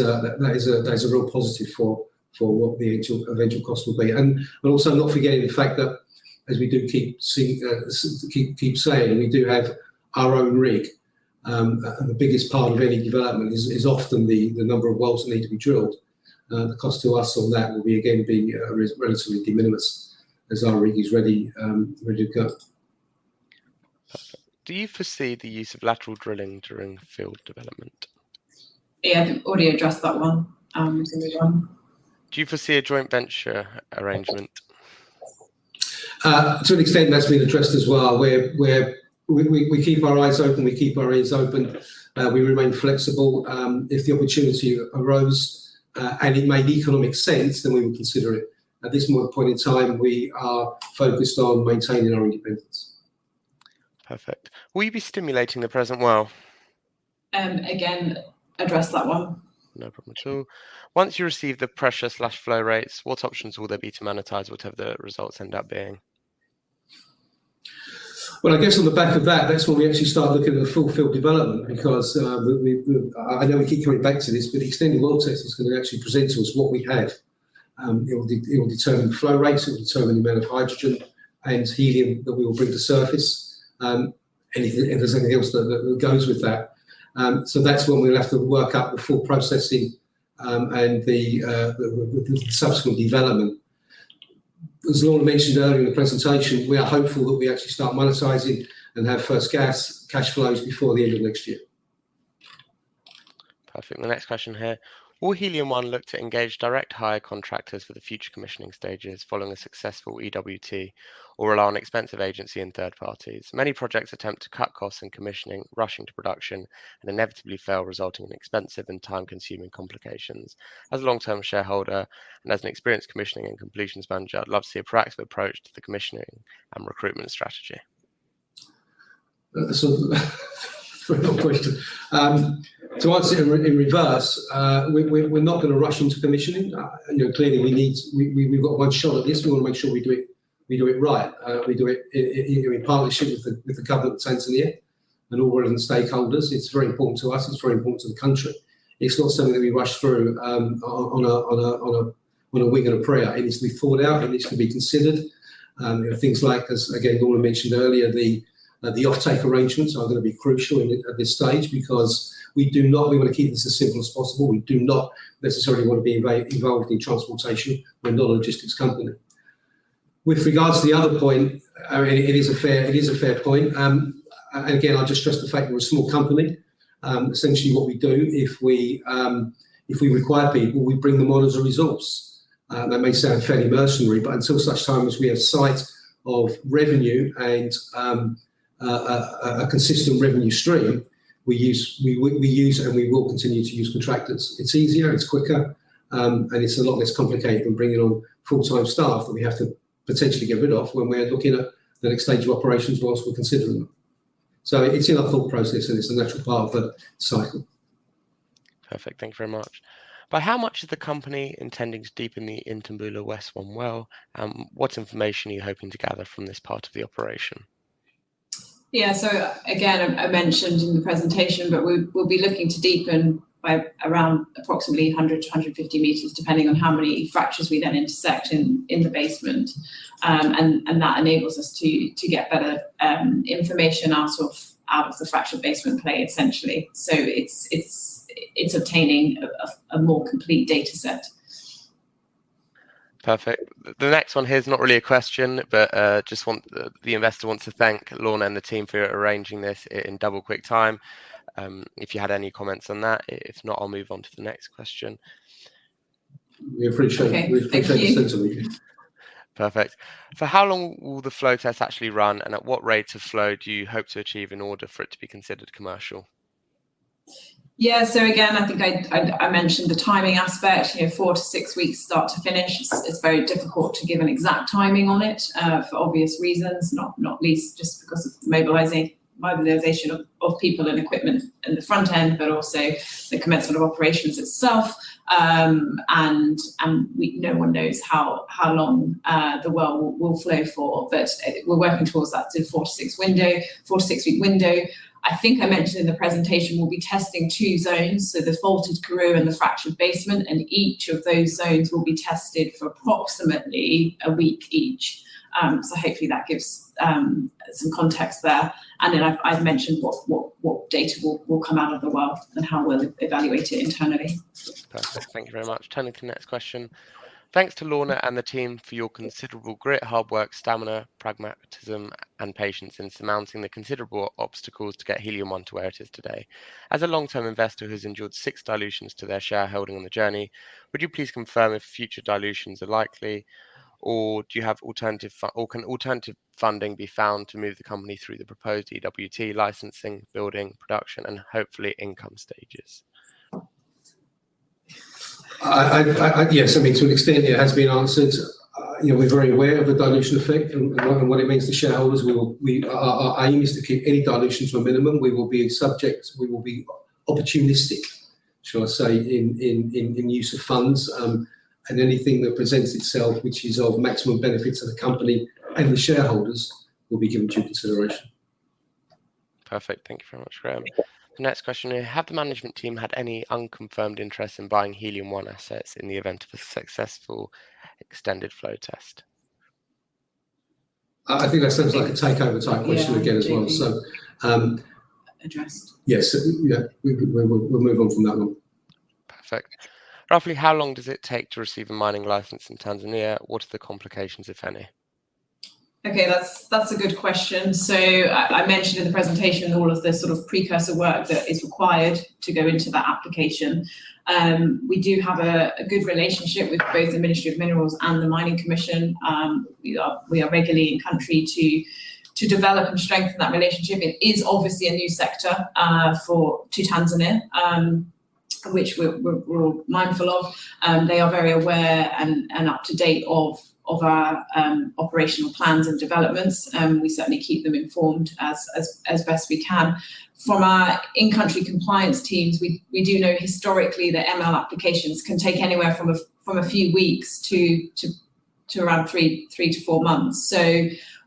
a real positive for what the eventual cost will be. Also not forgetting the fact that, as we do keep saying, we do have our own rig. The biggest part of any development is often the number of wells that need to be drilled. The cost to us on that will be, again, being relatively de minimis as our rig is ready to go. Perfect. Do you foresee the use of lateral drilling during field development? Yeah, I think we already addressed that one. Moving on. Do you foresee a joint venture arrangement? To an extent, that's been addressed as well, where we keep our eyes open, we keep our ears open. We remain flexible. If the opportunity arose, and it made economic sense, then we would consider it. At this point in time, we are focused on maintaining our independence. Perfect. Will you be stimulating the present well? Again, addressed that one. No problem at all. Once you receive the pressure/flow rates, what options will there be to monetize whatever the results end up being? Well, I guess on the back of that's when we actually start looking at the full field development, because, I know we keep coming back to this, but the extended well test is going to actually present to us what we have. It'll determine flow rates, it'll determine the amount of hydrogen and helium that we will bring to surface, and if there's anything else that goes with that. That's when we'll have to work out the full processing and the subsequent development. As Lorna mentioned earlier in the presentation, we are hopeful that we actually start monetizing and have first gas cash flows before the end of next year. Perfect. The next question here. Will Helium One look to engage direct hire contractors for the future commissioning stages following a successful EWT, or rely on expensive agency and third parties? Many projects attempt to cut costs in commissioning, rushing to production, and inevitably fail, resulting in expensive and time-consuming complications. As a long-term shareholder, and as an experienced commissioning and completions manager, I'd love to see a proactive approach to the commissioning and recruitment strategy. Very good question. To answer it in reverse, we're not going to rush into commissioning. Clearly we've got one shot at this. We want to make sure we do it right. We do it in partnership with the government of Tanzania and all relevant stakeholders. It's very important to us. It's very important to the country. It's not something that we rush through on a wing and a prayer. It needs to be thought out. It needs to be considered. Things like, as again, Lorna mentioned earlier, the off-take arrangements are going to be crucial at this stage, because we want to keep this as simple as possible. We do not necessarily want to be involved in transportation. We're not a logistics company. With regards to the other point, it is a fair point. Again, I'll just stress the fact we're a small company. Essentially what we do, if we require people, we bring them on as a resource. That may sound fairly mercenary, but until such time as we have sight of revenue and a consistent revenue stream, we use and we will continue to use contractors. It's easier, it's quicker, and it's a lot less complicated than bringing on full-time staff that we have to potentially get rid of when we're looking at the next stage of operations while we're considering them. It's in our thought process, and it's a natural part of the cycle. Perfect. Thank you very much. By how much is the company intending to deepen the Itumbula West-1 well, and what information are you hoping to gather from this part of the operation? Yeah. Again, I mentioned in the presentation, but we'll be looking to deepen by around approximately 100 m-150 m, depending on how many fractures we then intersect in the basement. That enables us to get better information out of the fractured basement play, essentially. It's obtaining a more complete data set. Perfect. The next one here is not really a question, but the investor wants to thank Lorna and the team for arranging this in double-quick time. If you had any comments on that. If not, I'll move on to the next question. We appreciate it. Okay. Thank you. We appreciate it sincerely. Perfect. For how long will the flow test actually run, and at what rates of flow do you hope to achieve in order for it to be considered commercial? Yeah. Again, I think I mentioned the timing aspect, fout-six weeks start to finish. It's very difficult to give an exact timing on it, for obvious reasons, not least just because of the mobilization of people and equipment in the front end, but also the commencement of operations itself. No one knows how long the well will flow for, but we're working towards that sort of four-six-week window. I think I mentioned in the presentation we'll be testing two zones, so the faulted Karoo in the fractured basement, and each of those zones will be tested for approximately a week each. Hopefully that gives some context there. Then I've mentioned what data will come out of the well and how we'll evaluate it internally. Perfect. Thank you very much. Turning to the next question. Thanks to Lorna and the team for your considerable grit, hard work, stamina, pragmatism, and patience in surmounting the considerable obstacles to get Helium One to where it is today. As a long-term investor who's endured six dilutions to their shareholding on the journey, would you please confirm if future dilutions are likely, or can alternative funding be found to move the company through the proposed EWT licensing, building, production, and hopefully income stages? Yes. I mean, to an extent it has been answered. We're very aware of the dilution effect and what it means to shareholders. Our aim is to keep any dilutions to a minimum. We will be opportunistic, shall I say, in use of funds, and anything that presents itself which is of maximum benefit to the company and the shareholders will be given due consideration. Perfect. Thank you very much, Graham. The next question here. Have the management team had any unconfirmed interest in buying Helium One assets in the event of a successful extended flow test? I think that sounds like a takeover type question again as well. Yeah. I think we've addressed. Yes. We'll move on from that one. Perfect. Roughly how long does it take to receive a mining license in Tanzania? What are the complications, if any? Okay, that's a good question. I mentioned in the presentation all of the sort of precursor work that is required to go into that application. We do have a good relationship with both the Ministry of Minerals and the Mining Commission. We are regularly in-country to develop and strengthen that relationship. It is obviously a new sector for Tanzania, which we're all mindful of. They are very aware and up to date of our operational plans and developments. We certainly keep them informed as best we can. From our in-country compliance teams, we do know historically that ML applications can take anywhere from a few weeks to around three-four months.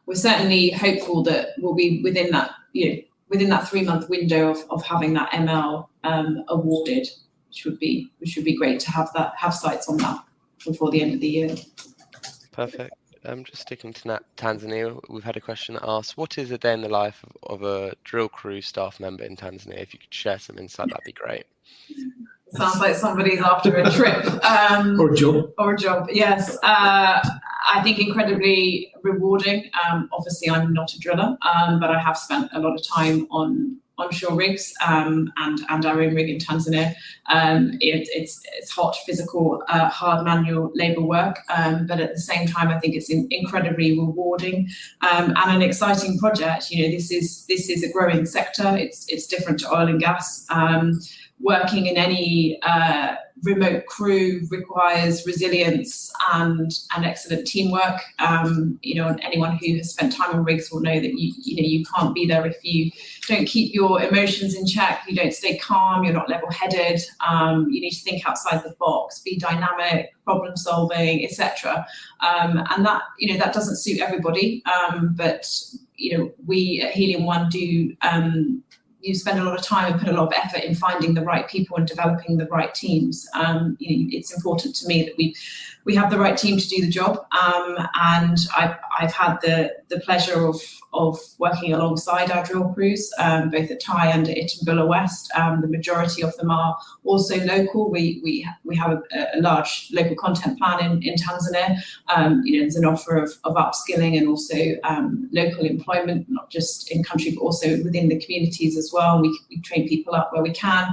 We're certainly hopeful that we'll be within that three-month window of having that ML awarded, which would be great to have sights on that before the end of the year. Perfect. Just sticking to Tanzania, we've had a question asked, what is a day in the life of a drill crew staff member in Tanzania? If you could share some insight, that'd be great. Sounds like somebody's after a trip. A job. A job, yes. I think it's incredibly rewarding. Obviously, I'm not a driller, but I have spent a lot of time on onshore rigs, and our own rig in Tanzania. It's hot, physical, hard manual labor work. At the same time, I think it's incredibly rewarding and an exciting project. This is a growing sector. It's different to oil and gas. Working in any remote crew requires resilience and excellent teamwork. Anyone who has spent time on rigs will know that you can't be there if you don't keep your emotions in check, you don't stay calm, you're not level-headed. You need to think outside the box, be dynamic, problem-solving, et cetera. That doesn't suit everybody, but we at Helium One do spend a lot of time and put a lot of effort in finding the right people and developing the right teams. It's important to me that we have the right team to do the job. I've had the pleasure of working alongside our drill crews, both at Tai and Itumbula West. The majority of them are also local. We have a large local content plan in Tanzania. There's an offer of upskilling and also local employment, not just in country, but also within the communities as well, and we train people up where we can.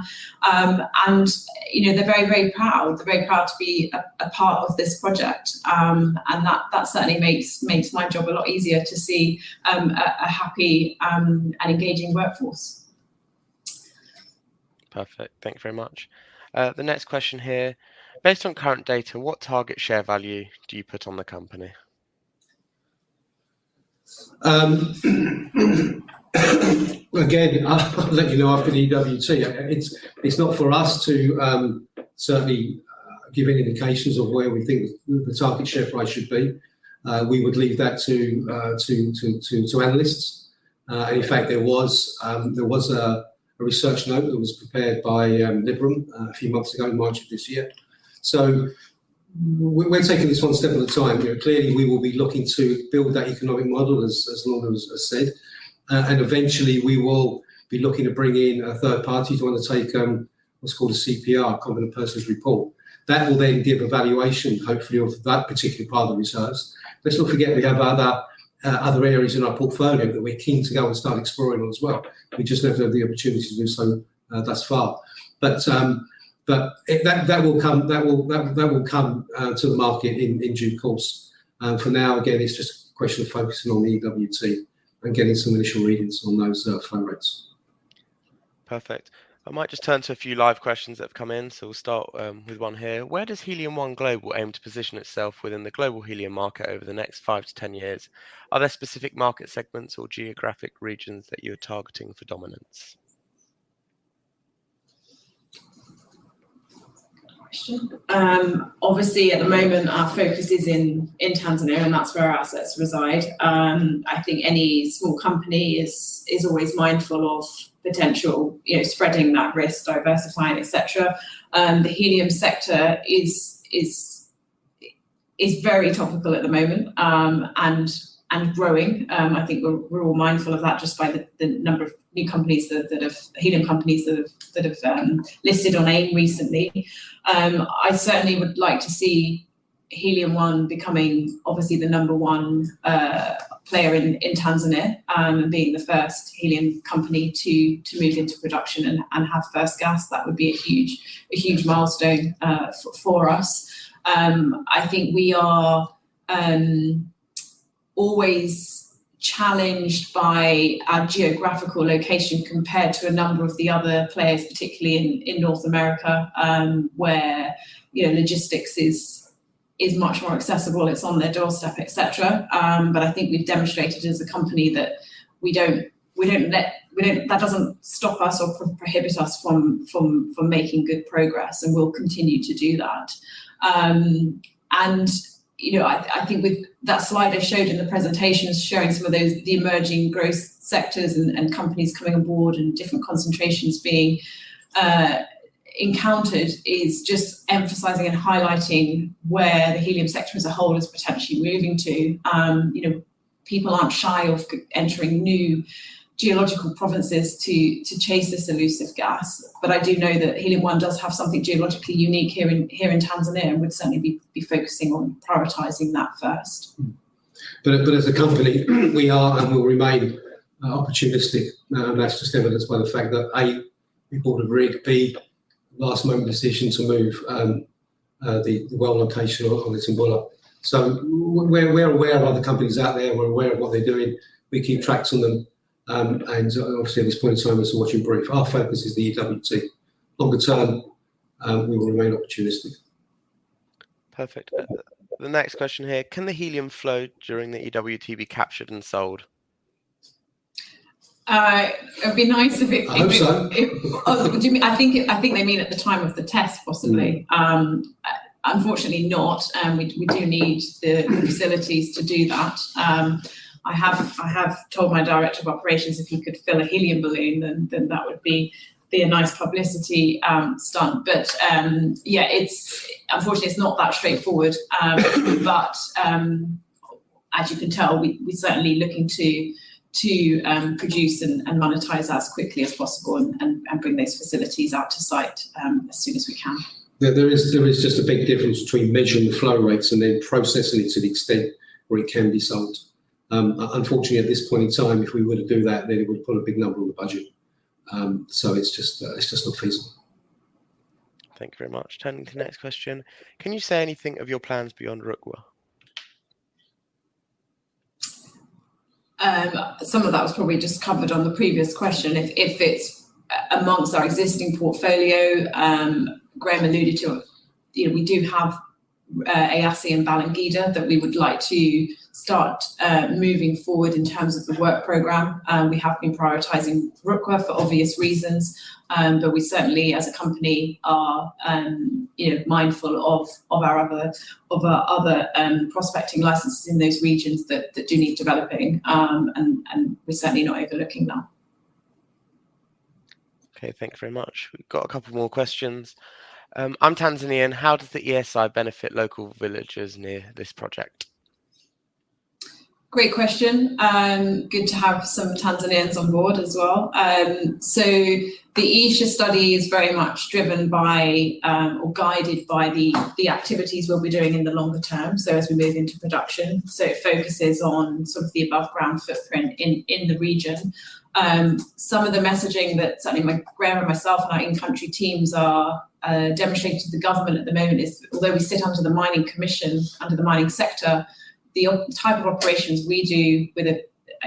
They're very proud to be a part of this project. That certainly makes my job a lot easier to see a happy and engaging workforce. Perfect. Thank you very much. The next question here. Based on current data, what target share value do you put on the company? Again, I'll let you know after EWT. It's not for us to certainly give any indications of where we think the target share price should be. We would leave that to analysts. In fact, there was a research note that was prepared by Liberum a few months ago in March of this year. We're taking this one step at a time. Clearly, we will be looking to build that economic model, as Lorna has said, and eventually we will be looking to bring in a third party to undertake what's called a CPR, Competent Person's Report. That will then give a valuation, hopefully, of that particular part of the resource. Let's not forget, we have other areas in our portfolio that we're keen to go and start exploring on as well. We just never had the opportunity to do so thus far. That will come to the market in due course. For now, again, it's just a question of focusing on EWT and getting some initial readings on those flow rates. Perfect. I might just turn to a few live questions that have come in. We'll start with one here. Where does Helium One Global aim to position itself within the global helium market over the next five-10 years? Are there specific market segments or geographic regions that you're targeting for dominance? Good question. Obviously, at the moment, our focus is in Tanzania, and that's where our assets reside. I think any small company is always mindful of potential spreading that risk, diversifying, et cetera. The helium sector is very topical at the moment, and growing. I think we're all mindful of that just by the number of new helium companies that have listed on AIM recently. I certainly would like to see Helium One becoming obviously the number one player in Tanzania, and being the first helium company to move into production and have first gas. That would be a huge milestone for us. I think we are always challenged by our geographical location compared to a number of the other players, particularly in North America, where logistics is much more accessible, it's on their doorstep, et cetera. I think we've demonstrated as a company that doesn't stop us or prohibit us from making good progress, and we'll continue to do that. I think with that slide I showed in the presentation is showing some of the emerging growth sectors and companies coming on board and different concentrations being encountered is just emphasizing and highlighting where the helium sector as a whole is potentially moving to. People aren't shy of entering new geological provinces to chase this elusive gas. I do know that Helium One does have something geologically unique here in Tanzania and would certainly be focusing on prioritizing that first. As a company, we are and will remain opportunistic. Now, that's just evidenced by the fact that, A, we bought a rig, B, last-minute decision to move the well location on Itumbula. We're aware of other companies out there, we're aware of what they're doing. We keep track on them. Obviously at this point in time, as to what you brief. Our focus is the EWT. Longer term, we will remain opportunistic. Perfect. The next question here, can the helium flow during the EWT be captured and sold? It'd be nice if it I hope so. Oh, do you mean? I think they mean at the time of the test, possibly. Unfortunately not. We do need the facilities to do that. I have told my director of operations if he could fill a helium balloon, then that would be a nice publicity stunt. Yeah, unfortunately it's not that straightforward. As you can tell, we're certainly looking to produce and monetize as quickly as possible and bring those facilities out to site as soon as we can. There is just a big difference between measuring the flow rates and then processing it to the extent where it can be sold. Unfortunately, at this point in time, if we were to do that, then it would put a big number on the budget. It's just not feasible. Thank you very much. Turning to the next question, can you say anything of your plans beyond Rukwa? Some of that was probably just covered on the previous question. If it's among our existing portfolio, Graham alluded to, we do have Eyasi and Balangida that we would like to start moving forward in terms of the work program. We have been prioritizing Rukwa for obvious reasons. But we certainly, as a company, are mindful of our other prospecting licenses in those regions that do need developing. We're certainly not overlooking that. Okay. Thank you very much. We've got a couple more questions. I'm Tanzanian. How does the ESIA benefit local villagers near this project? Great question. Good to have some Tanzanians on board as well. The ESIA study is very much driven by or guided by the activities we'll be doing in the longer term as we move into production. It focuses on some of the above-ground footprint in the region. Some of the messaging that certainly Graham and myself and our in-country teams are demonstrating to the government at the moment is, although we sit under the Mining Commission, under the mining sector, the type of operations we do with a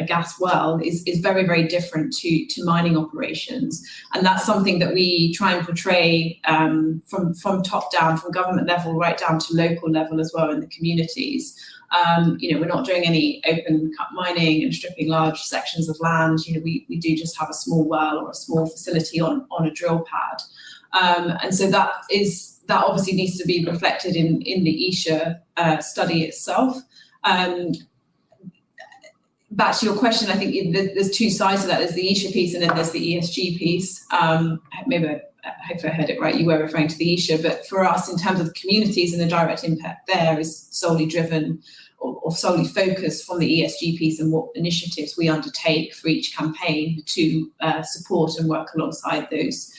gas well is very, very different to mining operations. That's something that we try and portray from top down, from government level, right down to local level as well in the communities. We're not doing any open cut mining and stripping large sections of land. We do just have a small well or a small facility on a drill pad. That obviously needs to be reflected in the ESIA study itself. Back to your question, I think there's two sides to that. There's the ESIA piece and then there's the ESG piece. Maybe, I hope I heard it right, you were referring to the ESIA. For us, in terms of the communities and the direct impact there is solely driven or solely focused on the ESG piece and what initiatives we undertake for each campaign to support and work alongside those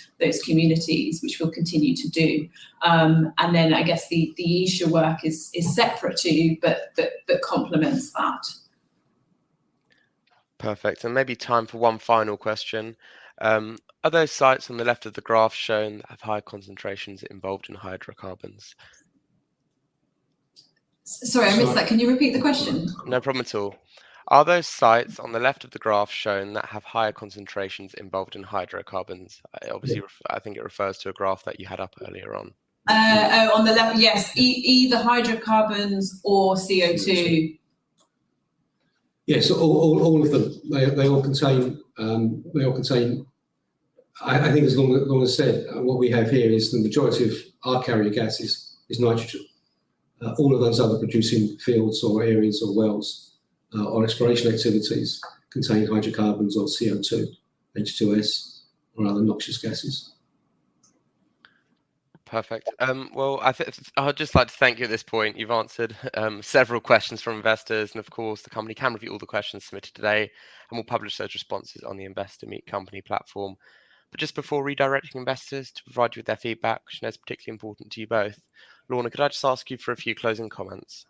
communities, which we'll continue to do. I guess the ESIA work is separate to, but that complements that. Perfect. Maybe time for one final question. Are those sites on the left of the graph shown that have higher concentrations involved in hydrocarbons? Sorry, I missed that. Can you repeat the question? No problem at all. Are those sites on the left of the graph shown that have higher concentrations involved in hydrocarbons? I think it refers to a graph that you had up earlier on. Oh, on the left. Yes. Either hydrocarbons or CO2. CO2. Yes. All of them. They all contain. I think, as Lorna said, what we have here is the majority of our carrier gas is nitrogen. All of those other producing fields or areas or wells, or exploration activities contain hydrocarbons or CO2, H2S, or other noxious gases. Perfect. Well, I'd just like to thank you at this point. You've answered several questions from investors, and of course, the company can review all the questions submitted today, and we'll publish those responses on the Investor Meet Company platform. Just before redirecting investors to provide you with their feedback, which I know is particularly important to you both, Lorna, could I just ask you for a few closing comments?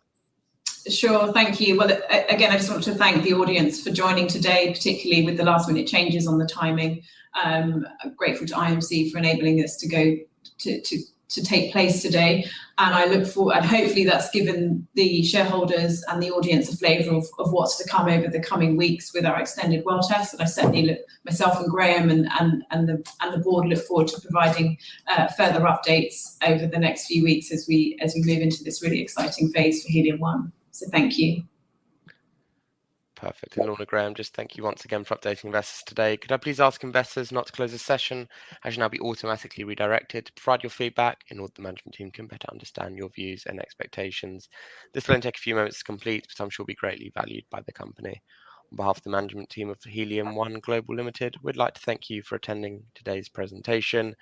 Sure. Thank you. Well, again, I just want to thank the audience for joining today, particularly with the last-minute changes on the timing. I'm grateful to IMC for enabling this to take place today. Hopefully that's given the shareholders and the audience a flavor of what's to come over the coming weeks with our extended well test. I certainly, myself and Graham and the board look forward to providing further updates over the next few weeks as we move into this really exciting phase for Helium One. Thank you. Perfect. Lorna, Graham, just thank you once again for updating investors today. Could I please ask investors not to close this session, as you'll now be automatically redirected to provide your feedback in order that the management team can better understand your views and expectations. This will only take a few moments to complete, but I'm sure it will be greatly valued by the company. On behalf of the management team of Helium One Global Ltd, we'd like to thank you for attending today's presentation,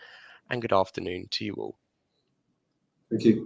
and good afternoon to you all. Thank you.